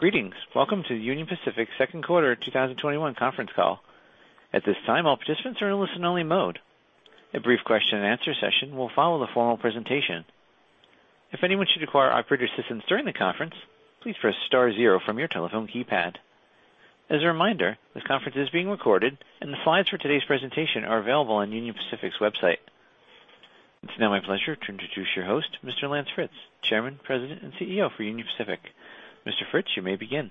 Greetings. Welcome to Union Pacific second quarter 2021 conference call. At this time, all participants are in listen-only mode. A brief question-and-answer session will follow the formal presentation. If anyone should require operator assistance during the conference, please press star zero from your telephone keypad. As a reminder, this conference is being recorded, and the slides for today's presentation are available on Union Pacific's website. It's now my pleasure to introduce your host, Mr. Lance Fritz, Chairman, President, and CEO for Union Pacific. Mr. Fritz, you may begin.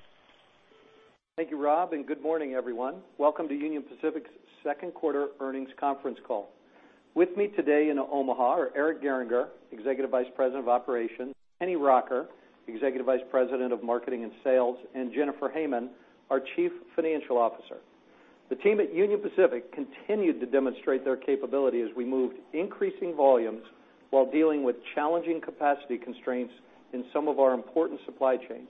Thank you, Rob. Good morning, everyone. Welcome to Union Pacific's second quarter earnings conference call. With me today in Omaha are Eric Gehringer, Executive Vice President of Operations, Kenny Rocker, Executive Vice President of Marketing and Sales, and Jennnnifer Hamann, our Chief Financial Officer. The team at Union Pacific continued to demonstrate their capability as we moved increasing volumes while dealing with challenging capacity constraints in some of our important supply chains.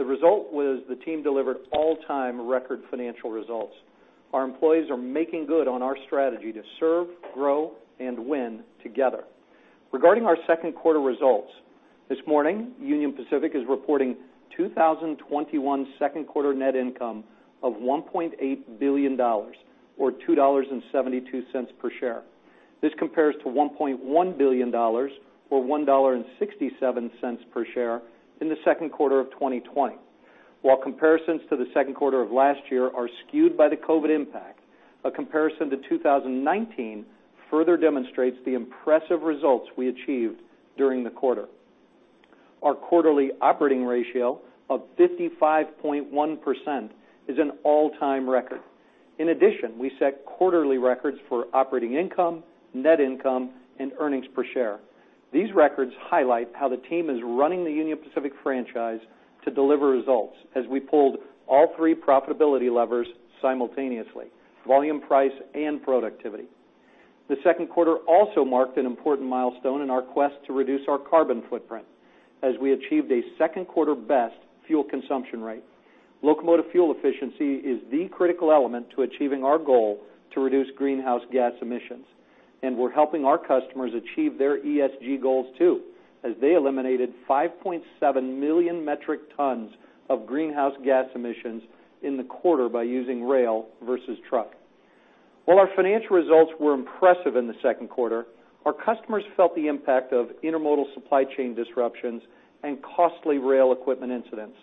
The result was the team delivered all-time record financial results. Our employees are making good on our strategy to serve, grow, and win together. Regarding our second quarter results, this morning, Union Pacific is reporting 2021 second quarter net income of $1.8 billion, or $2.72 per share. This compares to $1.1 billion or $1.67 per share in the second quarter of 2020. While comparisons to the second quarter of last year are skewed by the COVID impact, a comparison to 2019 further demonstrates the impressive results we achieved during the quarter. Our quarterly operating ratio of 55.1% is an all-time record. In addition, we set quarterly records for operating income, net income, and earnings per share. These records highlight how the team is running the Union Pacific franchise to deliver results, as we pulled all three profitability levers simultaneously, volume, price, and productivity. The second quarter also marked an important milestone in our quest to reduce our carbon footprint as we achieved a second quarter best fuel consumption rate. Locomotive fuel efficiency is the critical element to achieving our goal to reduce greenhouse gas emissions. We're helping our customers achieve their ESG goals, too, as they eliminated 5.7 million metric tons of greenhouse gas emissions in the quarter by using rail versus truck. While our financial results were impressive in the second quarter, our customers felt the impact of intermodal supply chain disruptions and costly rail equipment incidents.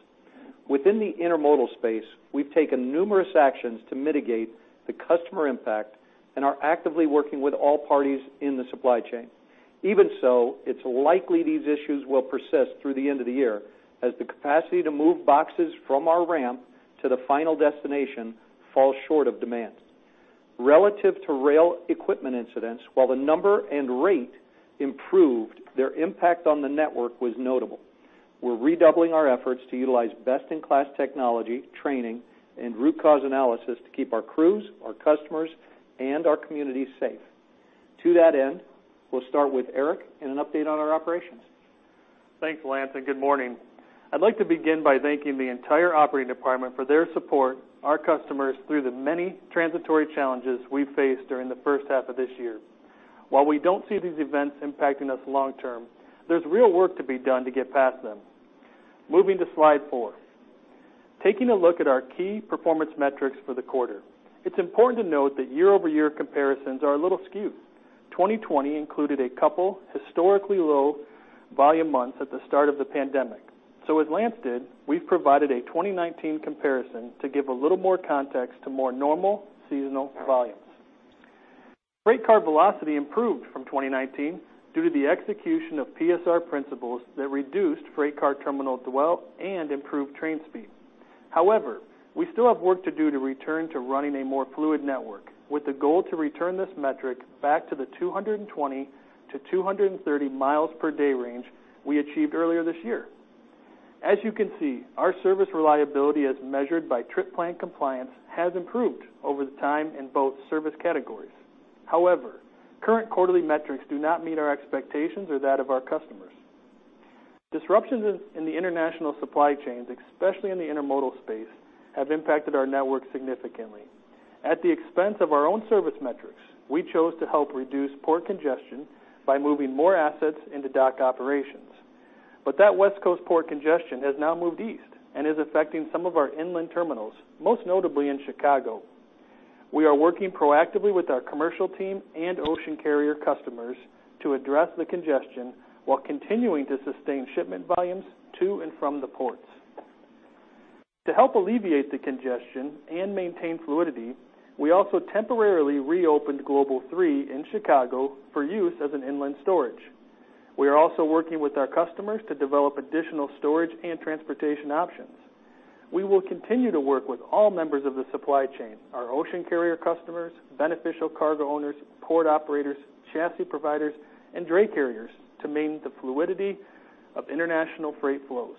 Within the intermodal space, we've taken numerous actions to mitigate the customer impact and are actively working with all parties in the supply chain. Even so, it's likely these issues will persist through the end of the year as the capacity to move boxes from our ramp to the final destination falls short of demand. Relative to rail equipment incidents, while the number and rate improved, their impact on the network was notable. We're redoubling our efforts to utilize best-in-class technology, training, and root cause analysis to keep our crews, our customers, and our communities safe. To that end, we'll start with Eric and an update on our operations. Thanks, Lance, and good morning. I'd like to begin by thanking the entire operating department for their support our customers through the many transitory challenges we faced during the first half of this year. While we don't see these events impacting us long term, there's real work to be done to get past them. Moving to Slide 4. Taking a look at our key performance metrics for the quarter, it's important to note that year-over-year comparisons are a little skewed. 2020 included a couple historically low volume months at the start of the pandemic. As Lance did, we've provided a 2019 comparison to give a little more context to more normal seasonal volumes. Freight car velocity improved from 2019 due to the execution of PSR principles that reduced freight car terminal dwell and improved train speed. We still have work to do to return to running a more fluid network with the goal to return this metric back to the 220-230 miles per day range we achieved earlier this year. As you can see, our service reliability, as measured by trip plan compliance, has improved over time in both service categories. Current quarterly metrics do not meet our expectations or that of our customers. Disruptions in the international supply chains, especially in the intermodal space, have impacted our network significantly. At the expense of our own service metrics, we chose to help reduce port congestion by moving more assets into dock operations. That West Coast port congestion has now moved east and is affecting some of our inland terminals, most notably in Chicago. We are working proactively with our commercial team and ocean carrier customers to address the congestion while continuing to sustain shipment volumes to and from the ports. To help alleviate the congestion and maintain fluidity, we also temporarily reopened Global III in Chicago for use as an inland storage. We are also working with our customers to develop additional storage and transportation options. We will continue to work with all members of the supply chain, our ocean carrier customers, beneficial cargo owners, port operators, chassis providers, and dray carriers to maintain the fluidity of international freight flows.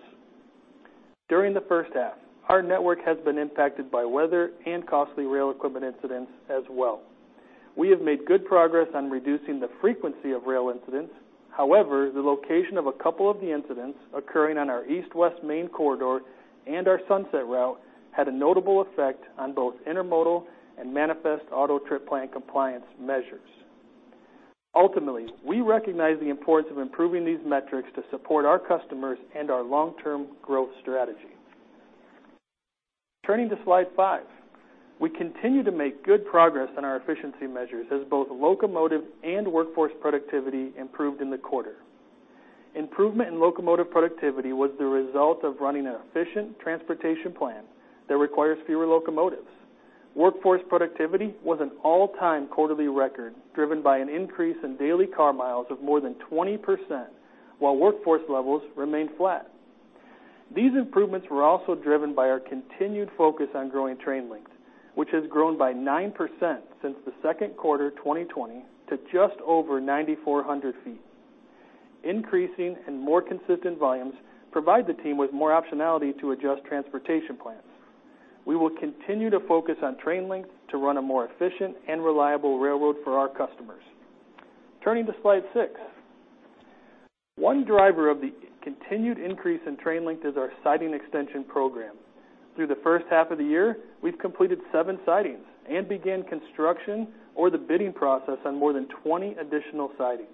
During the first half, our network has been impacted by weather and costly rail equipment incidents as well. We have made good progress on reducing the frequency of rail incidents. However, the location of a couple of the incidents occurring on our east-west main corridor and our Sunset Route had a notable effect on both intermodal and manifest auto trip plan compliance measures. Ultimately, we recognize the importance of improving these metrics to support our customers and our long-term growth strategy. Turning to Slide 5. We continue to make good progress on our efficiency measures as both locomotive and workforce productivity improved in the quarter. Improvement in locomotive productivity was the result of running an efficient transportation plan that requires fewer locomotives. Workforce productivity was an all-time quarterly record, driven by an increase in daily car miles of more than 20%, while workforce levels remained flat. These improvements were also driven by our continued focus on growing train length, which has grown by 9% since the second quarter 2020 to just over 9,400 feet. Increasing and more consistent volumes provide the team with more optionality to adjust transportation plans. We will continue to focus on train length to run a more efficient and reliable railroad for our customers. Turning to Slide 6. One driver of the continued increase in train length is our siding extension program. Through the first half of the year, we've completed 7 sidings and began construction or the bidding process on more than 20 additional sidings.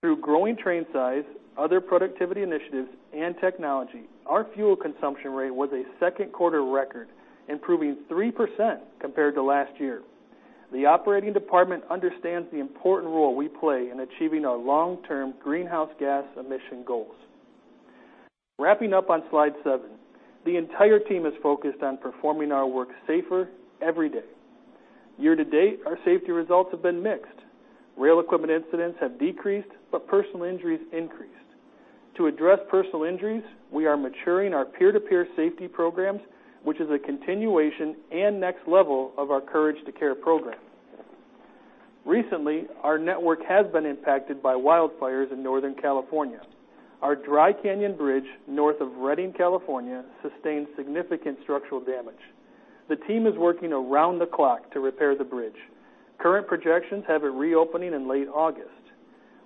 Through growing train size, other productivity initiatives, and technology, our fuel consumption rate was a second quarter record, improving 3% compared to last year. The operating department understands the important role we play in achieving our long-term greenhouse gas emission goals. Wrapping up on Slide 7. The entire team is focused on performing our work safer every day. Year-to-date, our safety results have been mixed. Rail equipment incidents have decreased, but personal injuries increased. To address personal injuries, we are maturing our peer-to-peer safety programs, which is a continuation and next level of our Courage to Care program. Recently, our network has been impacted by wildfires in Northern California. Our Dry Canyon Bridge north of Redding, California, sustained significant structural damage. The team is working around the clock to repair the bridge. Current projections have it reopening in late August.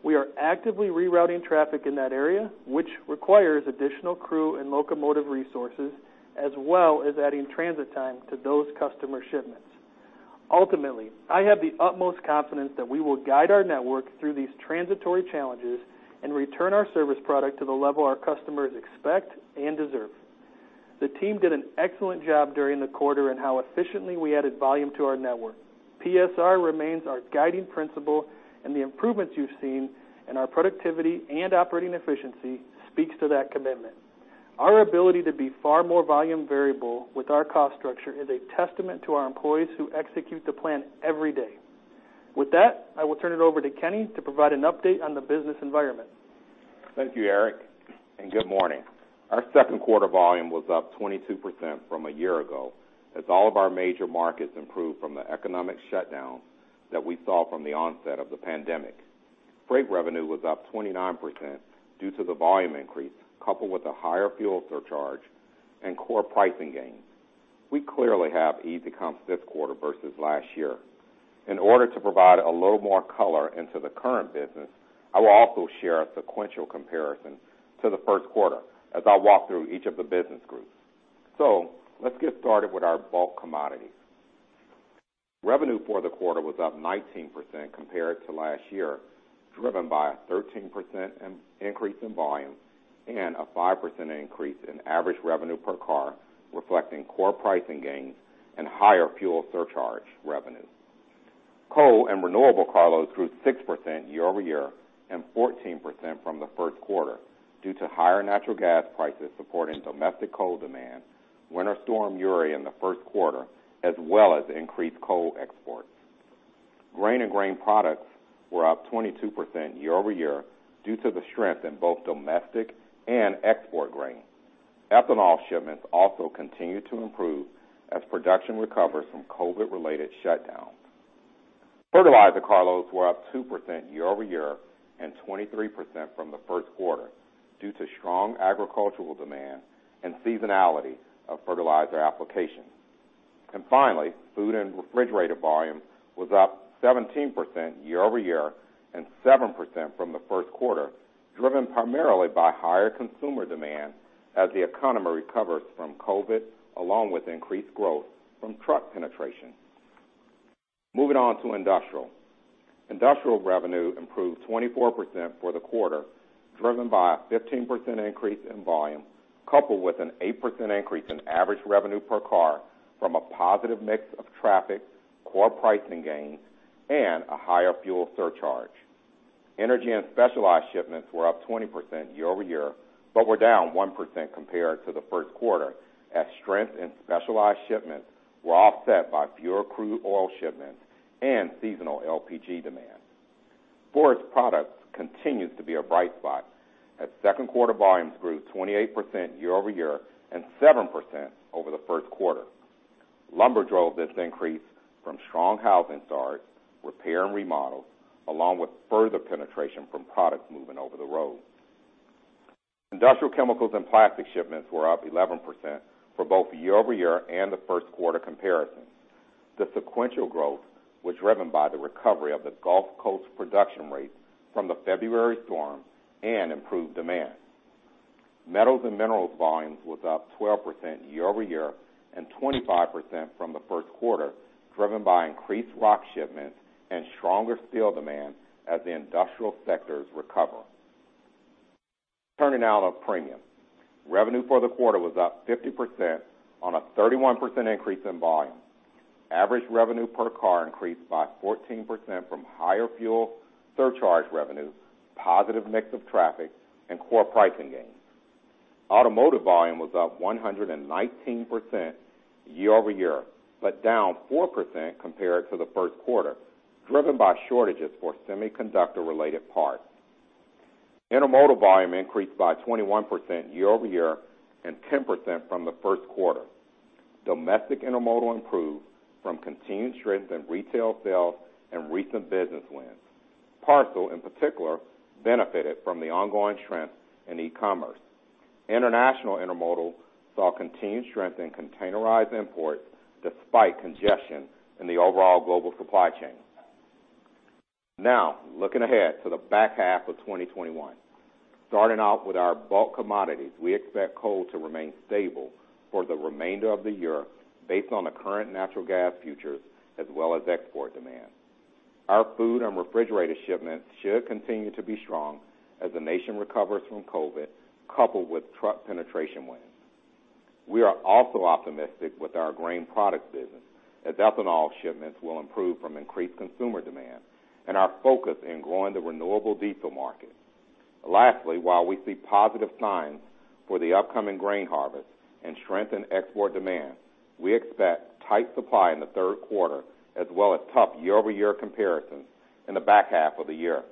We are actively rerouting traffic in that area, which requires additional crew and locomotive resources, as well as adding transit time to those customer shipments. Ultimately, I have the utmost confidence that we will guide our network through these transitory challenges and return our service product to the level our customers expect and deserve. The team did an excellent job during the quarter in how efficiently we added volume to our network. PSR remains our guiding principle, the improvements you've seen in our productivity and operating efficiency speak to that commitment. Our ability to be far more volume variable with our cost structure is a testament to our employees who execute the plan every day. With that, I will turn it over to Kenny to provide an update on the business environment. Thank you, Eric, and good morning. Our second quarter volume was up 22% from a year ago as all of our major markets improved from the economic shutdown that we saw from the onset of the pandemic. Freight revenue was up 29% due to the volume increase, coupled with a higher fuel surcharge and core pricing gains. We clearly have easy comps this quarter versus last year. In order to provide a little more color into the current business, I will also share a sequential comparison to the first quarter as I walk through each of the business groups. Let's get started with our bulk commodities. Revenue for the quarter was up 19% compared to last year, driven by a 13% increase in volume and a 5% increase in average revenue per car, reflecting core pricing gains and higher fuel surcharge revenue. Coal and renewable carloads grew 6% year-over-year and 14% from the first quarter due to higher natural gas prices supporting domestic coal demand, Winter Storm Uri in the first quarter, as well as increased coal exports. Grain and grain products were up 22% year-over-year due to the strength in both domestic and export grain. Ethanol shipments also continued to improve as production recovers from COVID-related shutdowns. Fertilizer carloads were up 2% year-over-year and 23% from the first quater was up 17% year-over-year and 7% from the first quarter, driven primarily by higher consumer demand as the economy recovers from COVID, along with increased growth from truck penetration. Moving on to industrial. Industrial revenue improved 24% for the quarter, driven by a 15% increase in volume coupled with an 8% increase in average revenue per car from a positive mix of traffic, core pricing gains, and a higher fuel surcharge. Energy and specialized shipments were up 20% year-over-year, but were down 1% compared to the first quarter as strength in specialized shipments were offset by fewer crude oil shipments and seasonal LPG demand. Forest products continues to be a bright spot, as second quarter volumes grew 28% year-over-year and 7% over the first quarter. Lumber drove this increase from strong housing starts, repair and remodels, along with further penetration from products moving over the road. Industrial chemicals and plastic shipments were up 11% for both year-over-year and the first quarter comparisons. The sequential growth was driven by the recovery of the Gulf Coast production rates from the February storm and improved demand. Metals and minerals volumes was up 12% year-over-year and 25% from the first quarter, driven by increased rock shipments and stronger steel demand as the industrial sectors recover. Turning now to Premium. Revenue for the quarter was up 50% on a 31% increase in volume. Average revenue per car increased by 14% from higher fuel surcharge revenue, positive mix of traffic, and core pricing gains. Automotive volume was up 119% year-over-year, but down 4% compared to the first quarter, driven by shortages for semiconductor-related parts. Intermodal volume increased by 21% year-over-year and 10% from the first quarter. Domestic Intermodal improved from continued strength in retail sales and recent business wins. Parcel, in particular, benefited from the ongoing strength in e-commerce. International intermodal saw continued strength in containerized imports despite congestion in the overall global supply chain. Looking ahead to the back half of 2021. Starting out with our bulk commodities, we expect coal to remain stable for the remainder of the year based on the current natural gas futures as well as export demand. Our food and refrigerated shipments should continue to be strong as the nation recovers from COVID, coupled with truck penetration wins. We are also optimistic with our grain products business as ethanol shipments will improve from increased consumer demand and our focus in growing the renewable diesel market. Lastly, while we see positive signs for the upcoming grain harvest and strength in export demand, we expect tight supply in the third quarter as well as tough year-over-year comparisons in the back half of the year.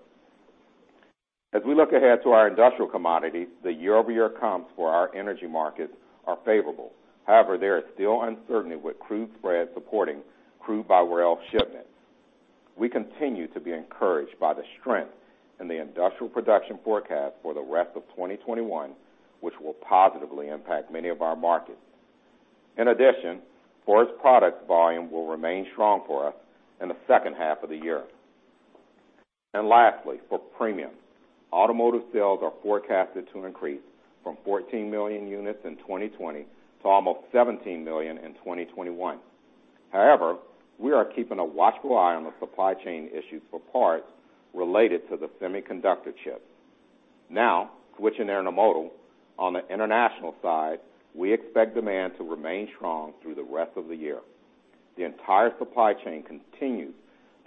As we look ahead to our industrial commodities, the year-over-year comps for our energy markets are favorable. However, there is still uncertainty with crude spreads supporting crude-by-rail shipments. We continue to be encouraged by the strength in the industrial production forecast for the rest of 2021, which will positively impact many of our markets. In addition, forest products volume will remain strong for us in the second half of the year. Lastly, for premium, automotive sales are forecasted to increase from 14 million units in 2020 to almost 17 million in 2021. However, we are keeping a watchful eye on the supply chain issues for parts related to the semiconductor chip. Now, switching to intermodal, on the international side, we expect demand to remain strong through the rest of the year. The entire supply chain continues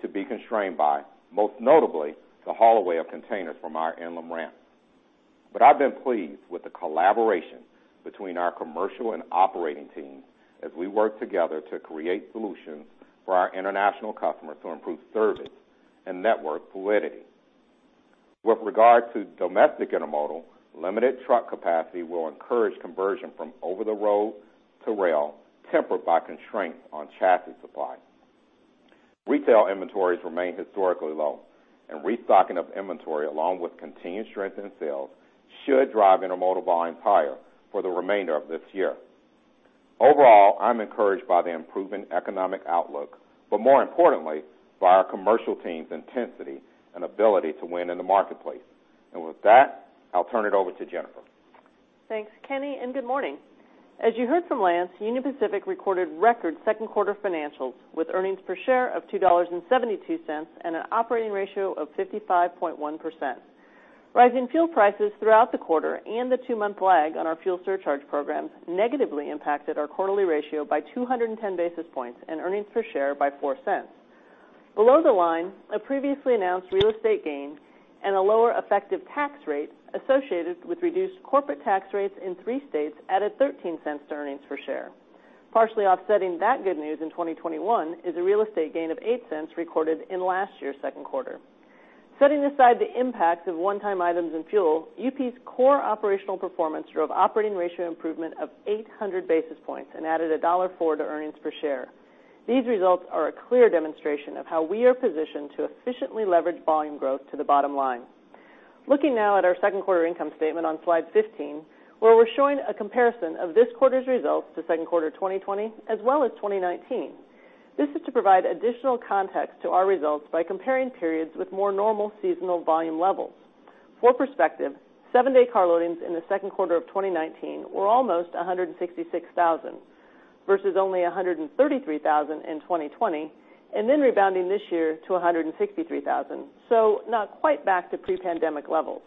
to be constrained by, most notably, the haul away of containers from our inland ramps. I've been pleased with the collaboration between our commercial and operating teams as we work together to create solutions for our international customers to improve service and network fluidity. With regard to domestic intermodal, limited truck capacity will encourage conversion from over the road to rail, tempered by constraints on chassis supply. Retail inventories remain historically low, and restocking of inventory, along with continued strength in sales, should drive intermodal volumes higher for the remainder of this year. Overall, I'm encouraged by the improving economic outlook, but more importantly, by our commercial team's intensity and ability to win in the marketplace. With that, I'll turn it over to Jennnnifer. Thanks, Kenny, and good morning. As you heard from Lance, Union Pacific recorded record second quarter financials with earnings per share of $2.72 and an operating ratio of 55.1%. Rising fuel prices throughout the quarter and the two-month lag on our fuel surcharge programs negatively impacted our quarterly ratio by 210 basis points and earnings per share by $0.04. Below the line, a previously announced real estate gain and a lower effective tax rate associated with reduced corporate tax rates in three states added $0.13 to earnings per share. Partially offsetting that good news in 2021 is a real estate gain of $0.08 recorded in last year's second quarter. Setting aside the impact of one-time items and fuel, UP's core operational performance drove operating ratio improvement of 800 basis points and added $1.04 to earnings per share. These results are a clear demonstration of how we are positioned to efficiently leverage volume growth to the bottom line. Looking now at our second quarter income statement on Slide 15, where we're showing a comparison of this quarter's results to second quarter 2020 as well as 2019. This is to provide additional context to our results by comparing periods with more normal seasonal volume levels. For perspective, 7-day car loadings in the second quarter of 2019 were almost 166,000, versus only 133,000 in 2020. Then rebounding this year to 163,000. Not quite back to pre-pandemic levels.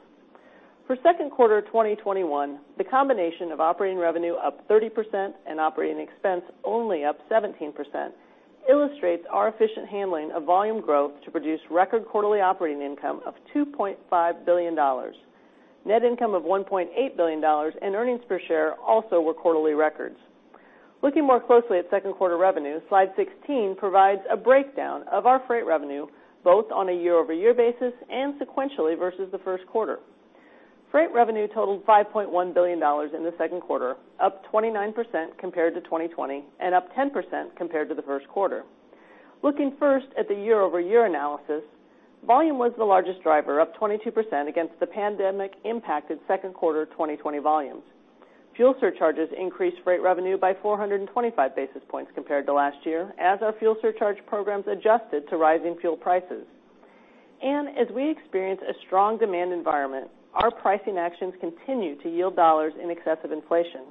For second quarter 2021, the combination of operating revenue up 30% and operating expense only up 17% illustrates our efficient handling of volume growth to produce record quarterly operating income of $2.5 billion. Net income of $1.8 billion and earnings per share also were quarterly records. Looking more closely at second quarter revenue, slide 16 provides a breakdown of our freight revenue, both on a year-over-year basis and sequentially versus the first quarter. Freight revenue totaled $5.1 billion in the second quarter, up 29% compared to 2020 and up 10% compared to the first quarter. Looking first at the year-over-year analysis, volume was the largest driver, up 22% against the pandemic-impacted second quarter 2020 volumes. Fuel surcharges increased freight revenue by 425 basis points compared to last year as our fuel surcharge programs adjusted to rising fuel prices. As we experience a strong demand environment, our pricing actions continue to yield dollars in excess of inflation.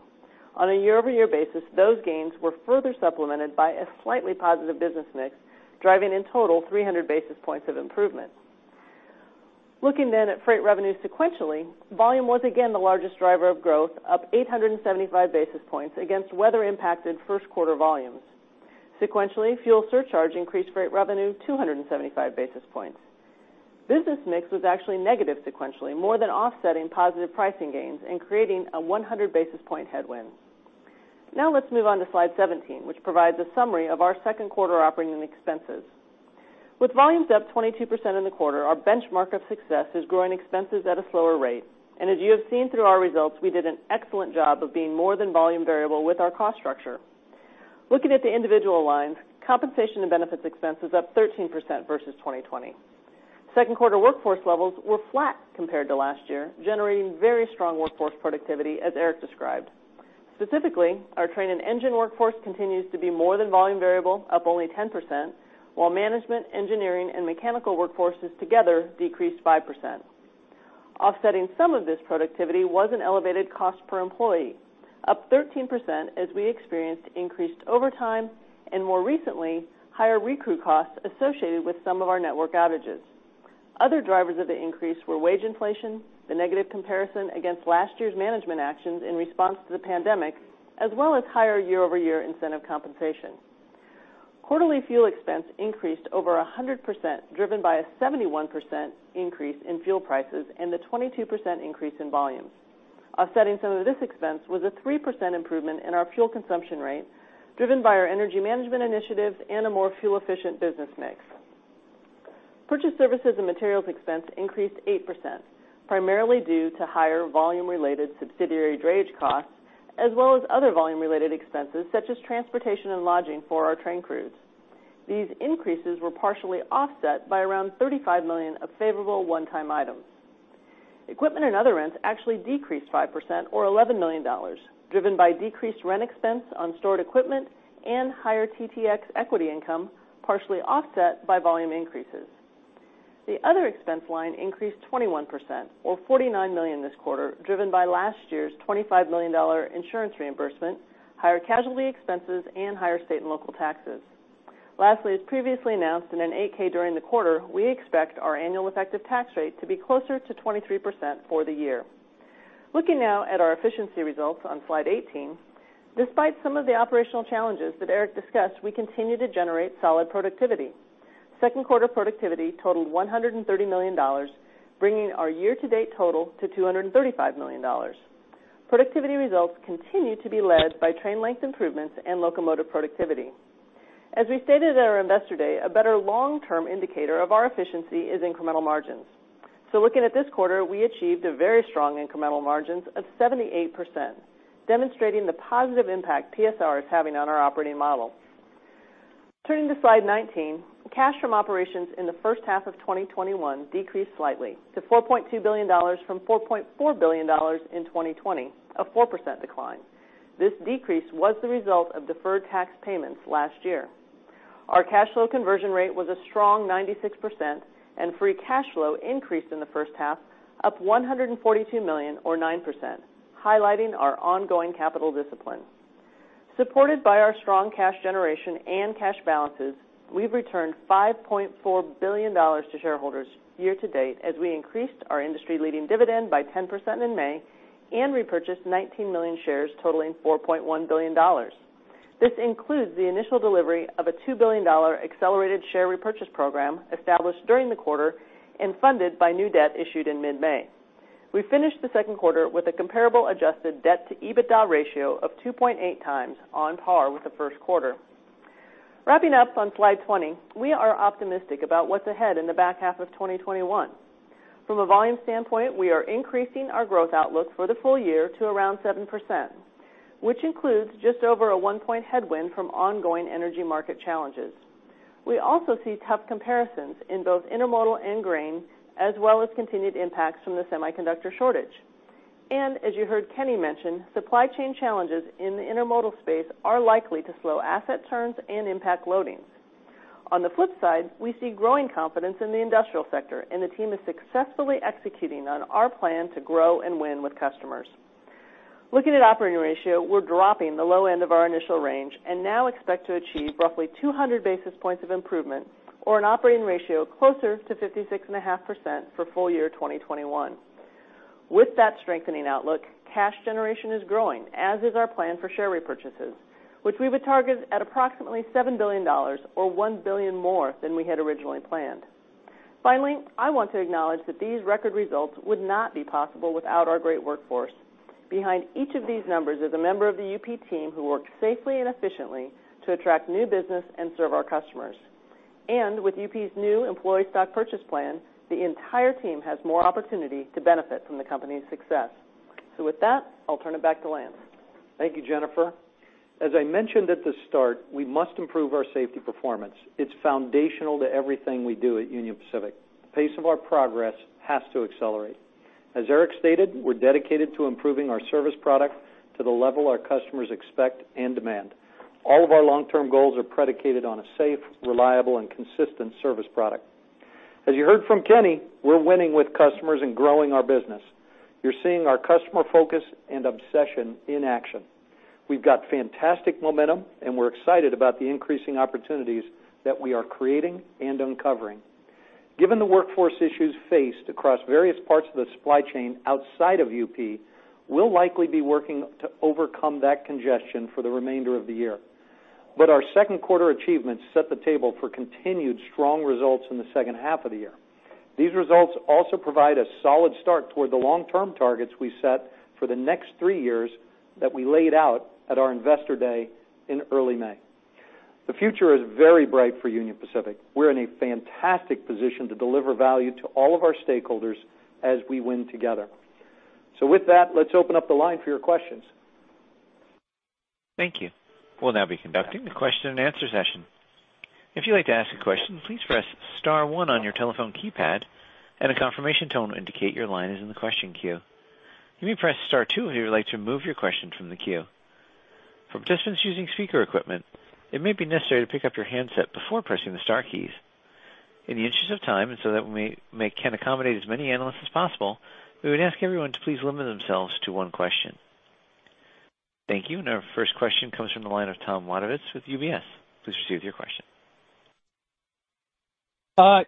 On a year-over-year basis, those gains were further supplemented by a slightly positive business mix, driving in total 300 basis points of improvement. Looking at freight revenue sequentially, volume was again the largest driver of growth, up 875 basis points against weather-impacted first quarter volumes. Sequentially, fuel surcharge increased freight revenue 275 basis points. Business mix was actually negative sequentially, more than offsetting positive pricing gains and creating a 100 basis point headwind. Let's move on to Slide 17, which provides a summary of our second quarter operating expenses. With volumes up 22% in the quarter, our benchmark of success is growing expenses at a slower rate. As you have seen through our results, we did an excellent job of being more than volume variable with our cost structure. Looking at the individual lines, compensation and benefits expense is up 13% versus 2020. Second quarter workforce levels were flat compared to last year, generating very strong workforce productivity, as Eric described. Specifically, our train and engine workforce continues to be more than volume variable, up only 10%, while management, engineering, and mechanical workforces together decreased 5%. Offsetting some of this productivity was an elevated cost per employee, up 13% as we experienced increased overtime and, more recently, higher recrew costs associated with some of our network outages. Other drivers of the increase were wage inflation, the negative comparison against last year's management actions in response to the pandemic, as well as higher year-over-year incentive compensation. Quarterly fuel expense increased over 100%, driven by a 71% increase in fuel prices and a 22% increase in volumes. Offsetting some of this expense was a 3% improvement in our fuel consumption rate, driven by our energy management initiatives and a more fuel-efficient business mix. Purchased services and materials expense increased 8%, primarily due to higher volume-related subsidiary drayage costs as well as other volume-related expenses such as transportation and lodging for our train crews. These increases were partially offset by around $35 million of favorable one-time items. Equipment and other rents actually decreased 5%, or $11 million, driven by decreased rent expense on stored equipment and higher TTX equity income, partially offset by volume increases. The other expense line increased 21%, or $49 million this quarter, driven by last year's $25 million insurance reimbursement, higher casualty expenses, and higher state and local taxes. Lastly, as previously announced in an 8-K during the quarter, we expect our annual effective tax rate to be closer to 23% for the year. Looking now at our efficiency results on Slide 18, despite some of the operational challenges that Eric discussed, we continue to generate solid productivity. Second quarter productivity totaled $130 million, bringing our year-to-date total to $235 million. Productivity results continue to be led by train length improvements and locomotive productivity. As we stated at our Investor Day, a better long-term indicator of our efficiency is incremental margins. Looking at this quarter, we achieved a very strong incremental margins of 78%, demonstrating the positive impact PSR is having on our operating model. Turning to Slide 19, cash from operations in the first half of 2021 decreased slightly to $4.2 billion from $4.4 billion in 2020, a 4% decline. This decrease was the result of deferred tax payments last year. Our cash flow conversion rate was a strong 96%, and free cash flow increased in the first half, up $142 million or 9%, highlighting our ongoing capital discipline. Supported by our strong cash generation and cash balances, we've returned $5.4 billion to shareholders year to date as we increased our industry-leading dividend by 10% in May and repurchased 19 million shares totaling $4.1 billion. This includes the initial delivery of a $2 billion accelerated share repurchase program established during the quarter and funded by new debt issued in mid-May. We finished the second quarter with a comparable adjusted debt to EBITDA ratio of 2.8x, on par with the first quarter. Wrapping up on Slide 20, we are optimistic about what's ahead in the back half of 2021. From a volume standpoint, we are increasing our growth outlook for the full year to around 7%, which includes just over a one-point headwind from ongoing energy market challenges. We also see tough comparisons in both intermodal and grain, as well as continued impacts from the semiconductor shortage. As you heard Kenny mention, supply chain challenges in the intermodal space are likely to slow asset turns and impact loadings. On the flip side, we see growing confidence in the industrial sector, and the team is successfully executing on our plan to grow and win with customers. Looking at operating ratio, we're dropping the low end of our initial range and now expect to achieve roughly 200 basis points of improvement or an operating ratio closer to 56.5% for full year 2021. With that strengthening outlook, cash generation is growing, as is our plan for share repurchases, which we would target at approximately $7 billion, or $1 billion more than we had originally planned. Finally, I want to acknowledge that these record results would not be possible without our great workforce. Behind each of these numbers is a member of the UP team who worked safely and efficiently to attract new business and serve our customers. With UP's new employee stock purchase plan, the entire team has more opportunity to benefit from the company's success. With that, I'll turn it back to Lance. Thank you, Jennnnifer. As I mentioned at the start, we must improve our safety performance. It's foundational to everything we do at Union Pacific. The pace of our progress has to accelerate. As Eric stated, we're dedicated to improving our service product to the level our customers expect and demand. All of our long-term goals are predicated on a safe, reliable, and consistent service product. As you heard from Kenny, we're winning with customers and growing our business. You're seeing our customer focus and obsession in action. We've got fantastic momentum, and we're excited about the increasing opportunities that we are creating and uncovering. Given the workforce issues faced across various parts of the supply chain outside of UP, we'll likely be working to overcome that congestion for the remainder of the year. Our second quarter achievements set the table for continued strong results in the second half of the year. These results also provide a solid start toward the long-term targets we set for the next three years that we laid out at our Investor Day in early May. The future is very bright for Union Pacific. We're in a fantastic position to deliver value to all of our stakeholders as we win together. With that, let's open up the line for your questions. Thank you. We'll now be conducting the question and answer session. If you'd like to ask a question, please press * 1 on your telephone keypad, and a confirmation tone will indicate your line is in the question queue. You may press * 2 if you would like to remove your question from the queue. For participants using speaker equipment, it may be necessary to pick up your handset before pressing the star keys. In the interest of time and so that we can accommodate as many analysts as possible, we would ask everyone to please limit themselves to 1 question. Thank you. Our 1st question comes from the line of Tom Wadewitz with UBS. Please proceed with your question.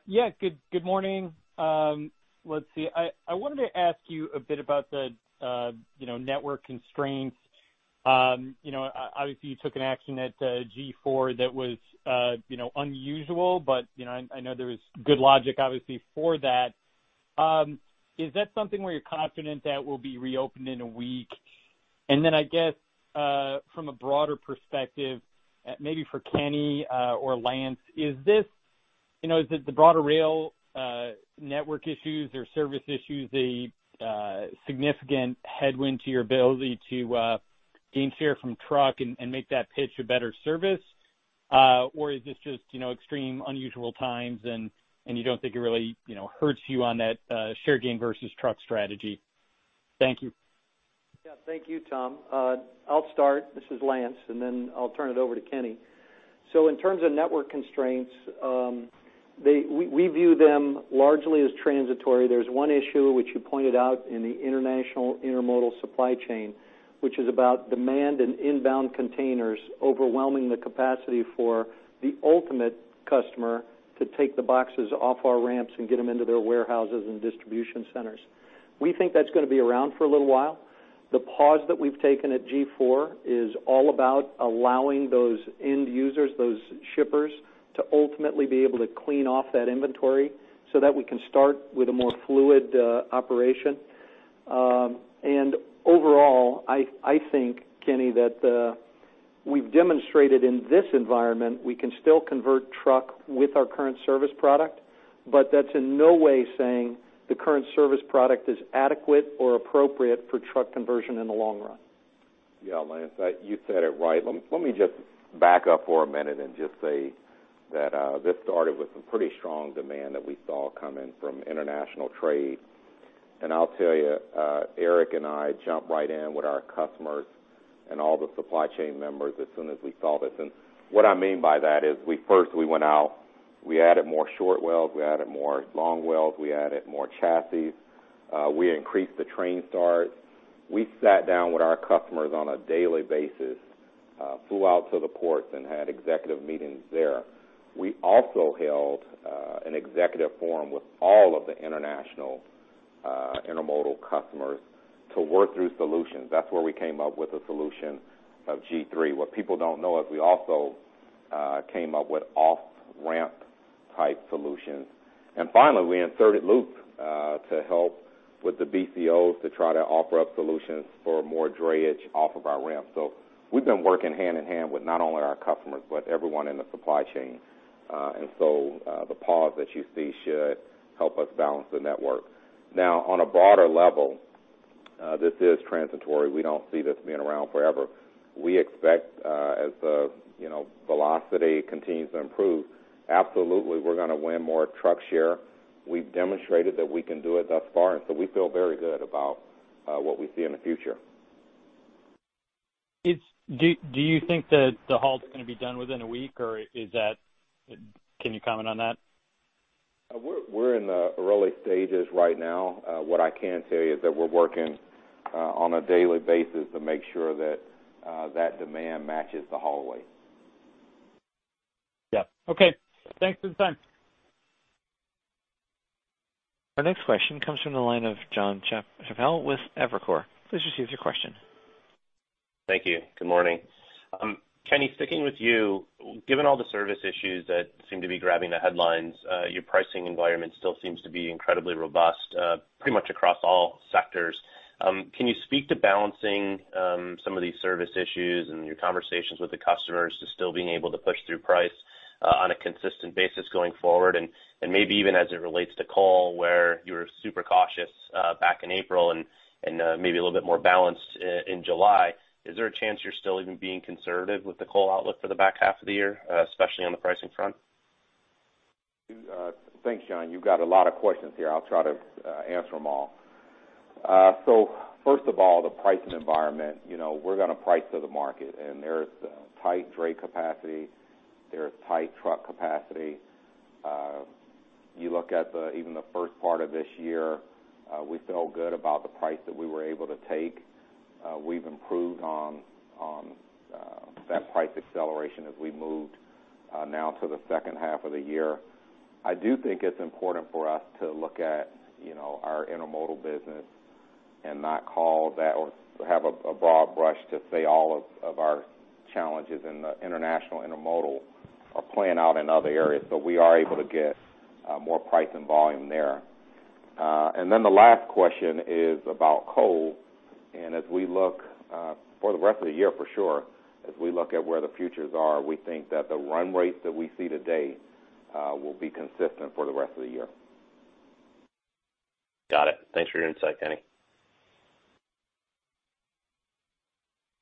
Yeah. Good morning. Let's see. I wanted to ask you a bit about the network constraints. Obviously, you took an action at Global IV that was unusual, but I know there was good logic, obviously, for that. Is that something where you're confident that will be reopened in a week? I guess, from a broader perspective, maybe for Kenny or Lance, is the broader rail network issues or service issues a significant headwind to your ability to gain share from truck and make that pitch a better service? Is this just extreme unusual times and you don't think it really hurts you on that share gain versus truck strategy? Thank you. Yeah. Thank you, Tom. I'll start, this is Lance, and then I'll turn it over to Kenny. In terms of network constraints, we view them largely as transitory. There's one issue which you pointed out in the international intermodal supply chain, which is about demand and inbound containers overwhelming the capacity for the ultimate customer to take the boxes off our ramps and get them into their warehouses and distribution centers. We think that's going to be around for a little while. The pause that we've taken at G4 is all about allowing those end users, those shippers, to ultimately be able to clean off that inventory so that we can start with a more fluid operation. Overall, I think, Kenny, that we've demonstrated in this environment, we can still convert truck with our current service product, but that's in no way saying the current service product is adequate or appropriate for truck conversion in the long run. Yeah, Lance, you said it right. Let me just back up for a minute and just say that this started with some pretty strong demand that we saw coming from international trade. I'll tell you, Eric and I jumped right in with our customers and all the supply chain members as soon as we saw this. What I mean by that is first, we went out, we added more short wells, we added more long wells, we added more chassis. We increased the train start. We sat down with our customers on a daily basis, flew out to the ports and had executive meetings there. We also held an executive forum with all of the international intermodal customers to work through solutions. That's where we came up with a solution of Global III. What people don't know is we also came up with off-ramp type solutions. Finally, we inserted Loops to help with the BCOs to try to offer up solutions for more drayage off of our ramps. We've been working hand in hand with not only our customers, but everyone in the supply chain. The pause that you see should help us balance the network. Now, on a broader level, this is transitory. We don't see this being around forever. We expect as the velocity continues to improve, absolutely, we're going to win more truck share. We've demonstrated that we can do it thus far, we feel very good about what we see in the future. Do you think that the halt is going to be done within a week, or can you comment on that? We're in the early stages right now. What I can tell you is that we're working on a daily basis to make sure that demand matches the haul. Yeah. Okay. Thanks for the time. Our next question comes from the line of Jon Chappell with Evercore. Please proceed with your question. Thank you. Good morning. Kenny, sticking with you, given all the service issues that seem to be grabbing the headlines, your pricing environment still seems to be incredibly robust pretty much across all sectors. Can you speak to balancing some of these service issues and your conversations with the customers to still being able to push through price on a one consistent basis going forward? Maybe even as it relates to coal, where you were super cautious back in April and maybe a little bit more balanced in July, is there a chance you're still even being conservative with the coal outlook for the back half of the year, especially on the pricing front? Thanks, Jon. You've got a lot of questions here. I'll try to answer them all. First of all, the pricing environment, we're going to price to the market, and there's tight dray capacity. There's tight truck capacity. You look at even the first part of this year, we feel good about the price that we were able to take. We've improved on that price acceleration as we moved now to the second half of the year. I do think it's important for us to look at our intermodal business and not call that or have a broad brush to say all of our challenges in the international intermodal are playing out in other areas, we are able to get more price and volume there. The last question is about coal, and as we look for the rest of the year, for sure, as we look at where the futures are, we think that the run rate that we see today will be consistent for the rest of the year. Got it. Thanks for your insight, Kenny.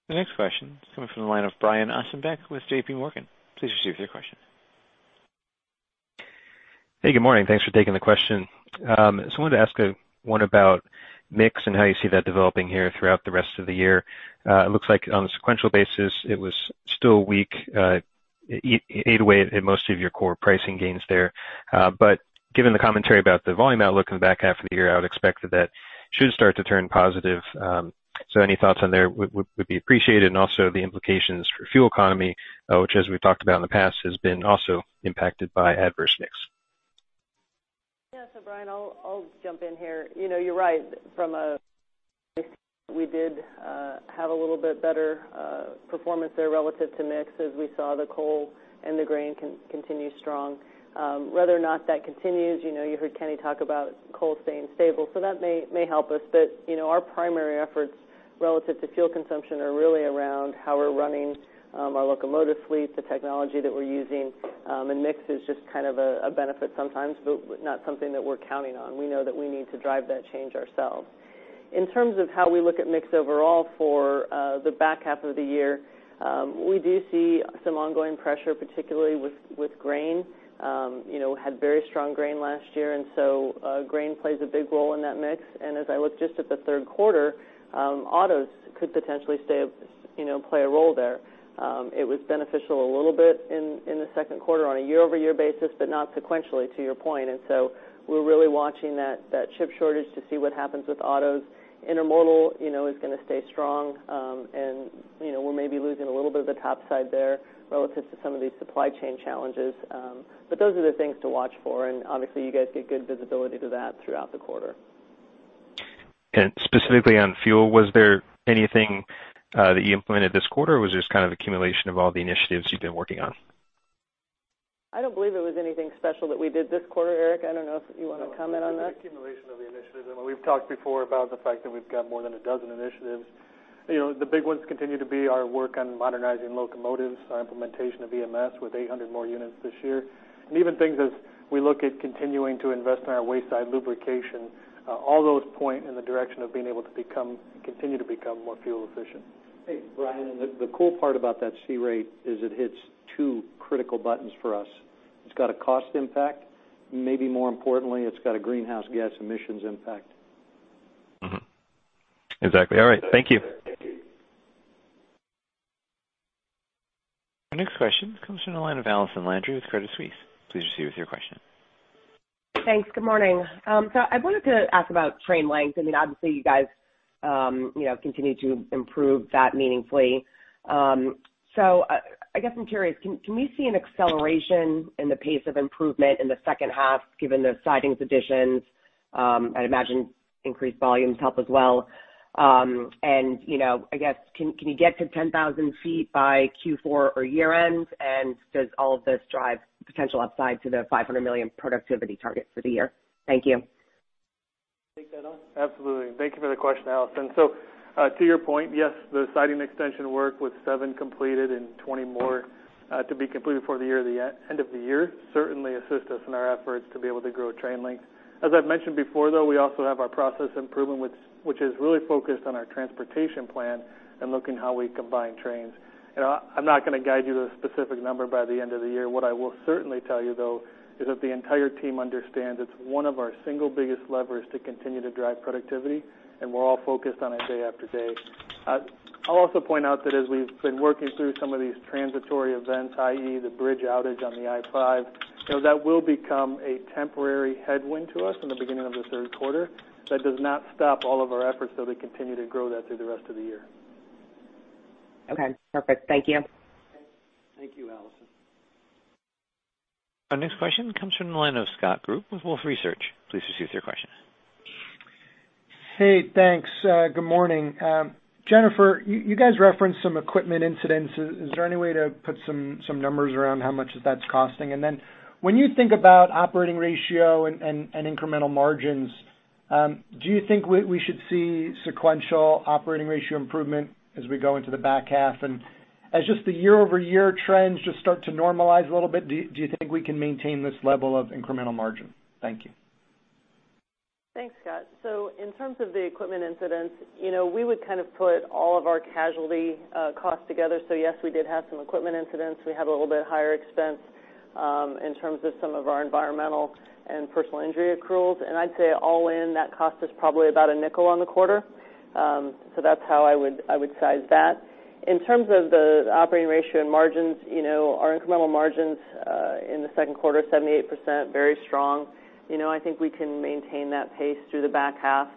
The next question is coming from the line of Brian Ossenbeck with JPMorgan. Please proceed with your question. Hey, good morning. Thanks for taking the question. I wanted to ask one about mix and how you see that developing here throughout the rest of the year. It looks like on a sequential basis, it was still weak, it ate away at most of your core pricing gains there. Given the commentary about the volume outlook in the back half of the year, I would expect that that should start to turn positive. Any thoughts on there would be appreciated and also the implications for fuel economy, which, as we've talked about in the past, has been also impacted by adverse mix. Yeah, Brian, I'll jump in here. You're right, from a we did have a little bit better performance there relative to mix as we saw the coal and the grain continue strong. Whether or not that continues, you heard Kenny talk about coal staying stable, that may help us. Our primary efforts relative to fuel consumption are really around how we're running our locomotive fleet, the technology that we're using, and mix is just kind of a benefit sometimes, but not something that we're counting on. We know that we need to drive that change ourselves. In terms of how we look at mix overall for the back half of the year, we do see some ongoing pressure, particularly with grain. Had very strong grain last year, grain plays a big role in that mix. As I look just at the third quarter, autos could potentially play a role there. It was beneficial a little bit in the second quarter on a year-over-year basis, but not sequentially, to your point. We're really watching that chip shortage to see what happens with autos. Intermodal is going to stay strong, and we're maybe losing a little bit of the top side there relative to some of these supply chain challenges. Those are the things to watch for, and obviously, you guys get good visibility to that throughout the quarter. Specifically on fuel, was there anything that you implemented this quarter, or was it just kind of accumulation of all the initiatives you've been working on? I don't believe there was anything special that we did this quarter. Eric, I don't know if you want to comment on that. No, I think accumulation of the initiatives, I mean, we've talked before about the fact that we've got more than a dozen initiatives. The big ones continue to be our work on modernizing locomotives, our implementation of EMS with 800 more units this year. Even things as we look at continuing to invest in our wayside lubrication, all those point in the direction of being able to continue to become more fuel efficient. Hey, Brian, the cool part about that [tax] rate is it hits two critical buttons for us. It's got a cost impact, maybe more importantly, it's got a greenhouse gas emissions impact. Mm-hmm. Exactly. All right. Thank you. Thank you. Our next question comes from the line of Allison Landry with Credit Suisse. Please proceed with your question. Thanks. Good morning. I wanted to ask about train length. I mean, obviously, you guys continue to improve that meaningfully. I guess I'm curious, can we see an acceleration in the pace of improvement in the second half, given the sidings additions? I'd imagine increased volumes help as well. I guess, can you get to 10,000 ft by Q4 or year end? Does all of this drive potential upside to the $500 million productivity target for the year? Thank you. Take that on? Absolutely. Thank you for the question, Allison. To your point, yes, the siding extension work with seven completed and 20 more to be completed before the end of the year certainly assists us in our efforts to be able to grow train length. As I've mentioned before, though, we also have our process improvement, which is really focused on our transportation plan and looking how we combine trains. I'm not going to guide you to a specific number by the end of the year. What I will certainly tell you, though, is that the entire team understands it's one of our single biggest levers to continue to drive productivity, and we're all focused on it day after day. I'll also point out that as we've been working through some of these transitory events, i.e., the bridge outage on the I-5, that will become a temporary headwind to us in the beginning of the third quarter. That does not stop all of our efforts, though, to continue to grow that through the rest of the year. Okay, perfect. Thank you. Thank you, Allison. Our next question comes from the line of Scott Group with Wolfe Research. Please proceed with your question. Hey, thanks. Good morning. Jennnnifer, you guys referenced some equipment incidents. Is there any way to put some numbers around how much that's costing? When you think about operating ratio and incremental margins, do you think we should see sequential operating ratio improvement as we go into the back half? The year-over-year trends just start to normalize a little bit, do you think we can maintain this level of incremental margin? Thank you. Thanks, Scott. In terms of the equipment incidents, we would put all of our casualty costs together. Yes, we did have some equipment incidents. We had a little bit higher expense in terms of some of our environmental and personal injury accruals. I'd say all in, that cost us probably about $0.05 on the quarter. That's how I would size that. In terms of the operating ratio and margins, our incremental margins in the second quarter, 78%, very strong. I think we can maintain that pace through the back half.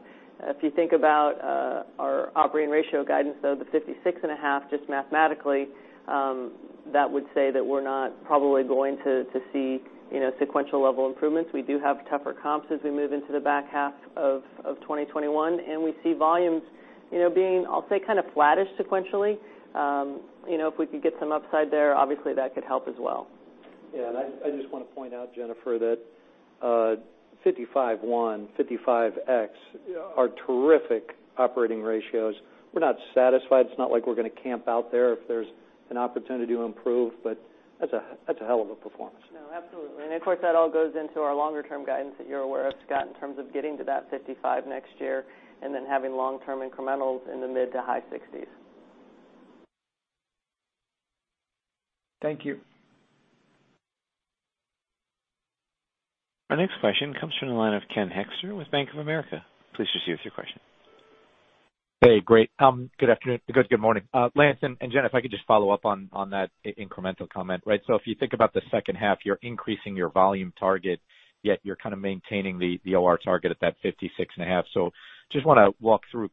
If you think about our operating ratio guidance, though, the 56.5%, just mathematically, that would say that we're not probably going to see sequential level improvements. We do have tougher comps as we move into the back half of 2021, and we see volumes being, I'll say, kind of flattish sequentially. If we could get some upside there, obviously that could help as well. Yeah, I just want to point out, Jennnnifer, that 55.1, 55x are terrific operating ratios. We're not satisfied. It's not like we're going to camp out there if there's an opportunity to improve, but that's a hell of a performance. No, absolutely. Of course, that all goes into our longer-term guidance that you're aware of, Scott, in terms of getting to that 55% next year and then having long-term incrementals in the mid-60s%. Thank you. Our next question comes from the line of Ken Hoexter with Bank of America. Please proceed with your question. Hey, great. Good afternoon. Good morning. Lance and Jennn, if I could just follow up on that incremental comment. If you think about the second half, you're increasing your volume target, yet you're kind of maintaining the OR target at that 56.5. Just want to walk through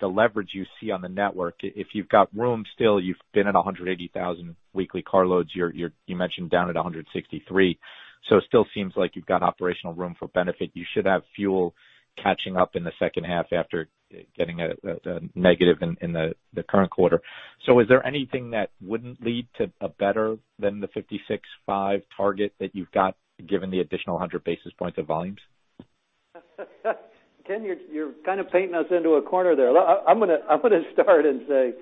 the leverage you see on the network. If you've got room still, you've been at 180,000 weekly car loads. You mentioned down at 163. It still seems like you've got operational room for benefit. You should have fuel catching up in the second half after getting a negative in the current quarter. Is there anything that wouldn't lead to a better than the 56.5 target that you've got, given the additional 100 basis points of volumes? Ken, you're kind of painting us into a corner there. I'm going to start and say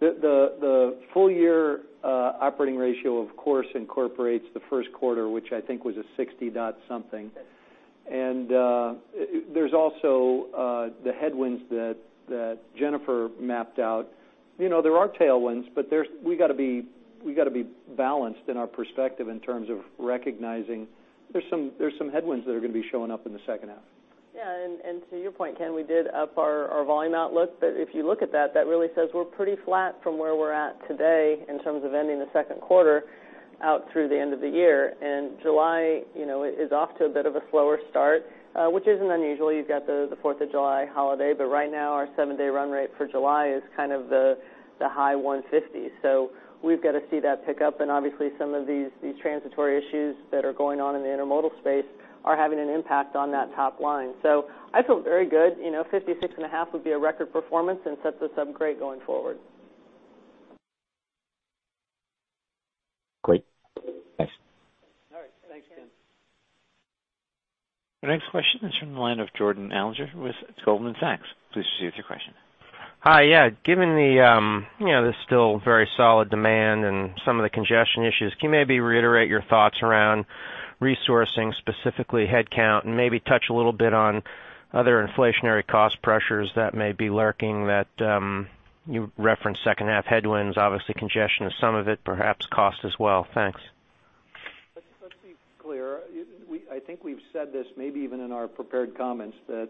that the full year operating ratio, of course, incorporates the first quarter, which I think was a 60 dot something. There's also the headwinds that Jennnnifer mapped out. There are tailwinds, but we got to be balanced in our perspective in terms of recognizing there's some headwinds that are going to be showing up in the second half. Yeah, to your point, Ken, we did up our volume outlook. If you look at that really says we're pretty flat from where we're at today in terms of ending the second quarter out through the end of the year. July is off to a bit of a slower start, which isn't unusual. You've got the Fourth of July holiday. Right now, our seven-day run rate for July is kind of the high 150s. We've got to see that pick up, and obviously some of these transitory issues that are going on in the intermodal space are having an impact on that top line. I feel very good. 56.5 would be a record performance and sets us up great going forward. Great. Thanks. All right. Thanks, Ken. Our next question is from the line of Jordan Alliger with Goldman Sachs. Please proceed with your question. Hi. Yeah. Given the still very solid demand and some of the congestion issues, can you maybe reiterate your thoughts around resourcing, specifically headcount, and maybe touch a little bit on other inflationary cost pressures that may be lurking that you referenced second half headwinds, obviously congestion is some of it, perhaps cost as well? Thanks. Let's be clear. I think we've said this maybe even in our prepared comments, that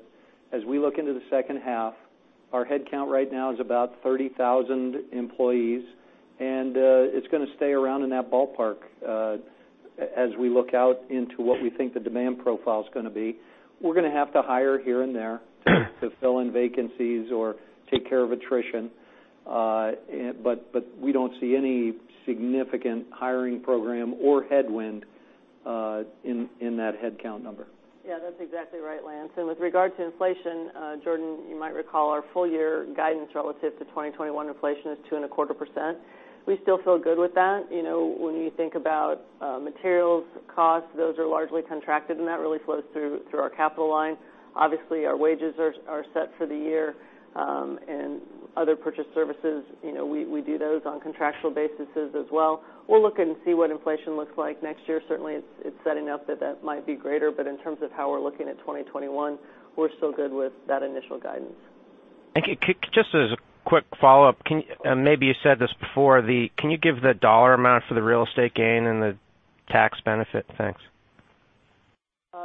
as we look into the second half, our headcount right now is about 30,000 employees, and it's going to stay around in that ballpark as we look out into what we think the demand profile is going to be. We're going to have to hire here and there to fill in vacancies or take care of attrition. We don't see any significant hiring program or headwind in that headcount number. Yeah, that's exactly right, Lance. With regard to inflation, Jordan, you might recall our full year guidance relative to 2021 inflation is 2.25%. We still feel good with that. When you think about materials costs, those are largely contracted, and that really flows through our capital line. Obviously, our wages are set for the year, and other purchase services, we do those on contractual basis as well. We'll look and see what inflation looks like next year. Certainly, it's setting up that that might be greater. In terms of how we're looking at 2021, we're still good with that initial guidance. Thank you. Just as a quick follow-up, maybe you said this before, can you give the dollar amount for the real estate gain and the tax benefit? Thanks.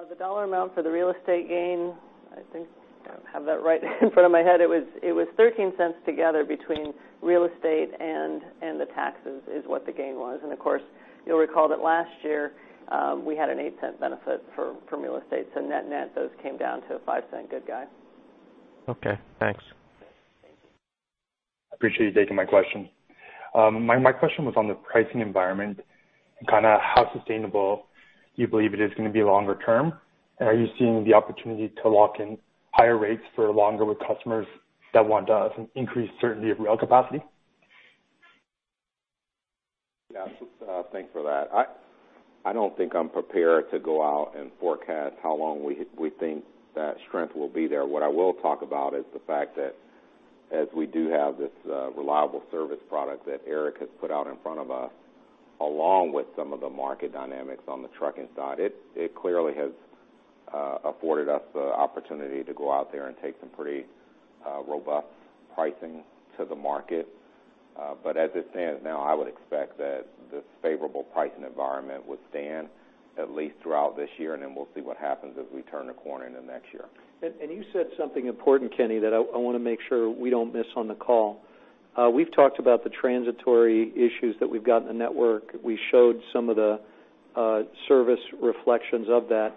The $ amount for the real estate gain, I think I don't have that right in front of my head. It was $0.13 together between real estate and the taxes is what the gain was. Of course, you'll recall that last year, we had an $0.08 benefit from real estate. Net-net, those came down to a $0.05 good guy. Okay, thanks. Thank you. Appreciate you taking my question. My question was on the pricing environment and how sustainable you believe it is going to be longer term. Are you seeing the opportunity to lock in higher rates for longer with customers that want increased certainty of rail capacity? Yeah. Thanks for that. I don't think I'm prepared to go out and forecast how long we think that strength will be there. What I will talk about is the fact that as we do have this reliable service product that Eric has put out in front of us, along with some of the market dynamics on the trucking side, it clearly has afforded us the opportunity to go out there and take some pretty robust pricing to the market. As it stands now, I would expect that this favorable pricing environment would stand at least throughout this year, and then we'll see what happens as we turn the corner into next year. You said something important, Kenny, that I want to make sure we don't miss on the call. We've talked about the transitory issues that we've got in the network. We showed some of the service reflections of that.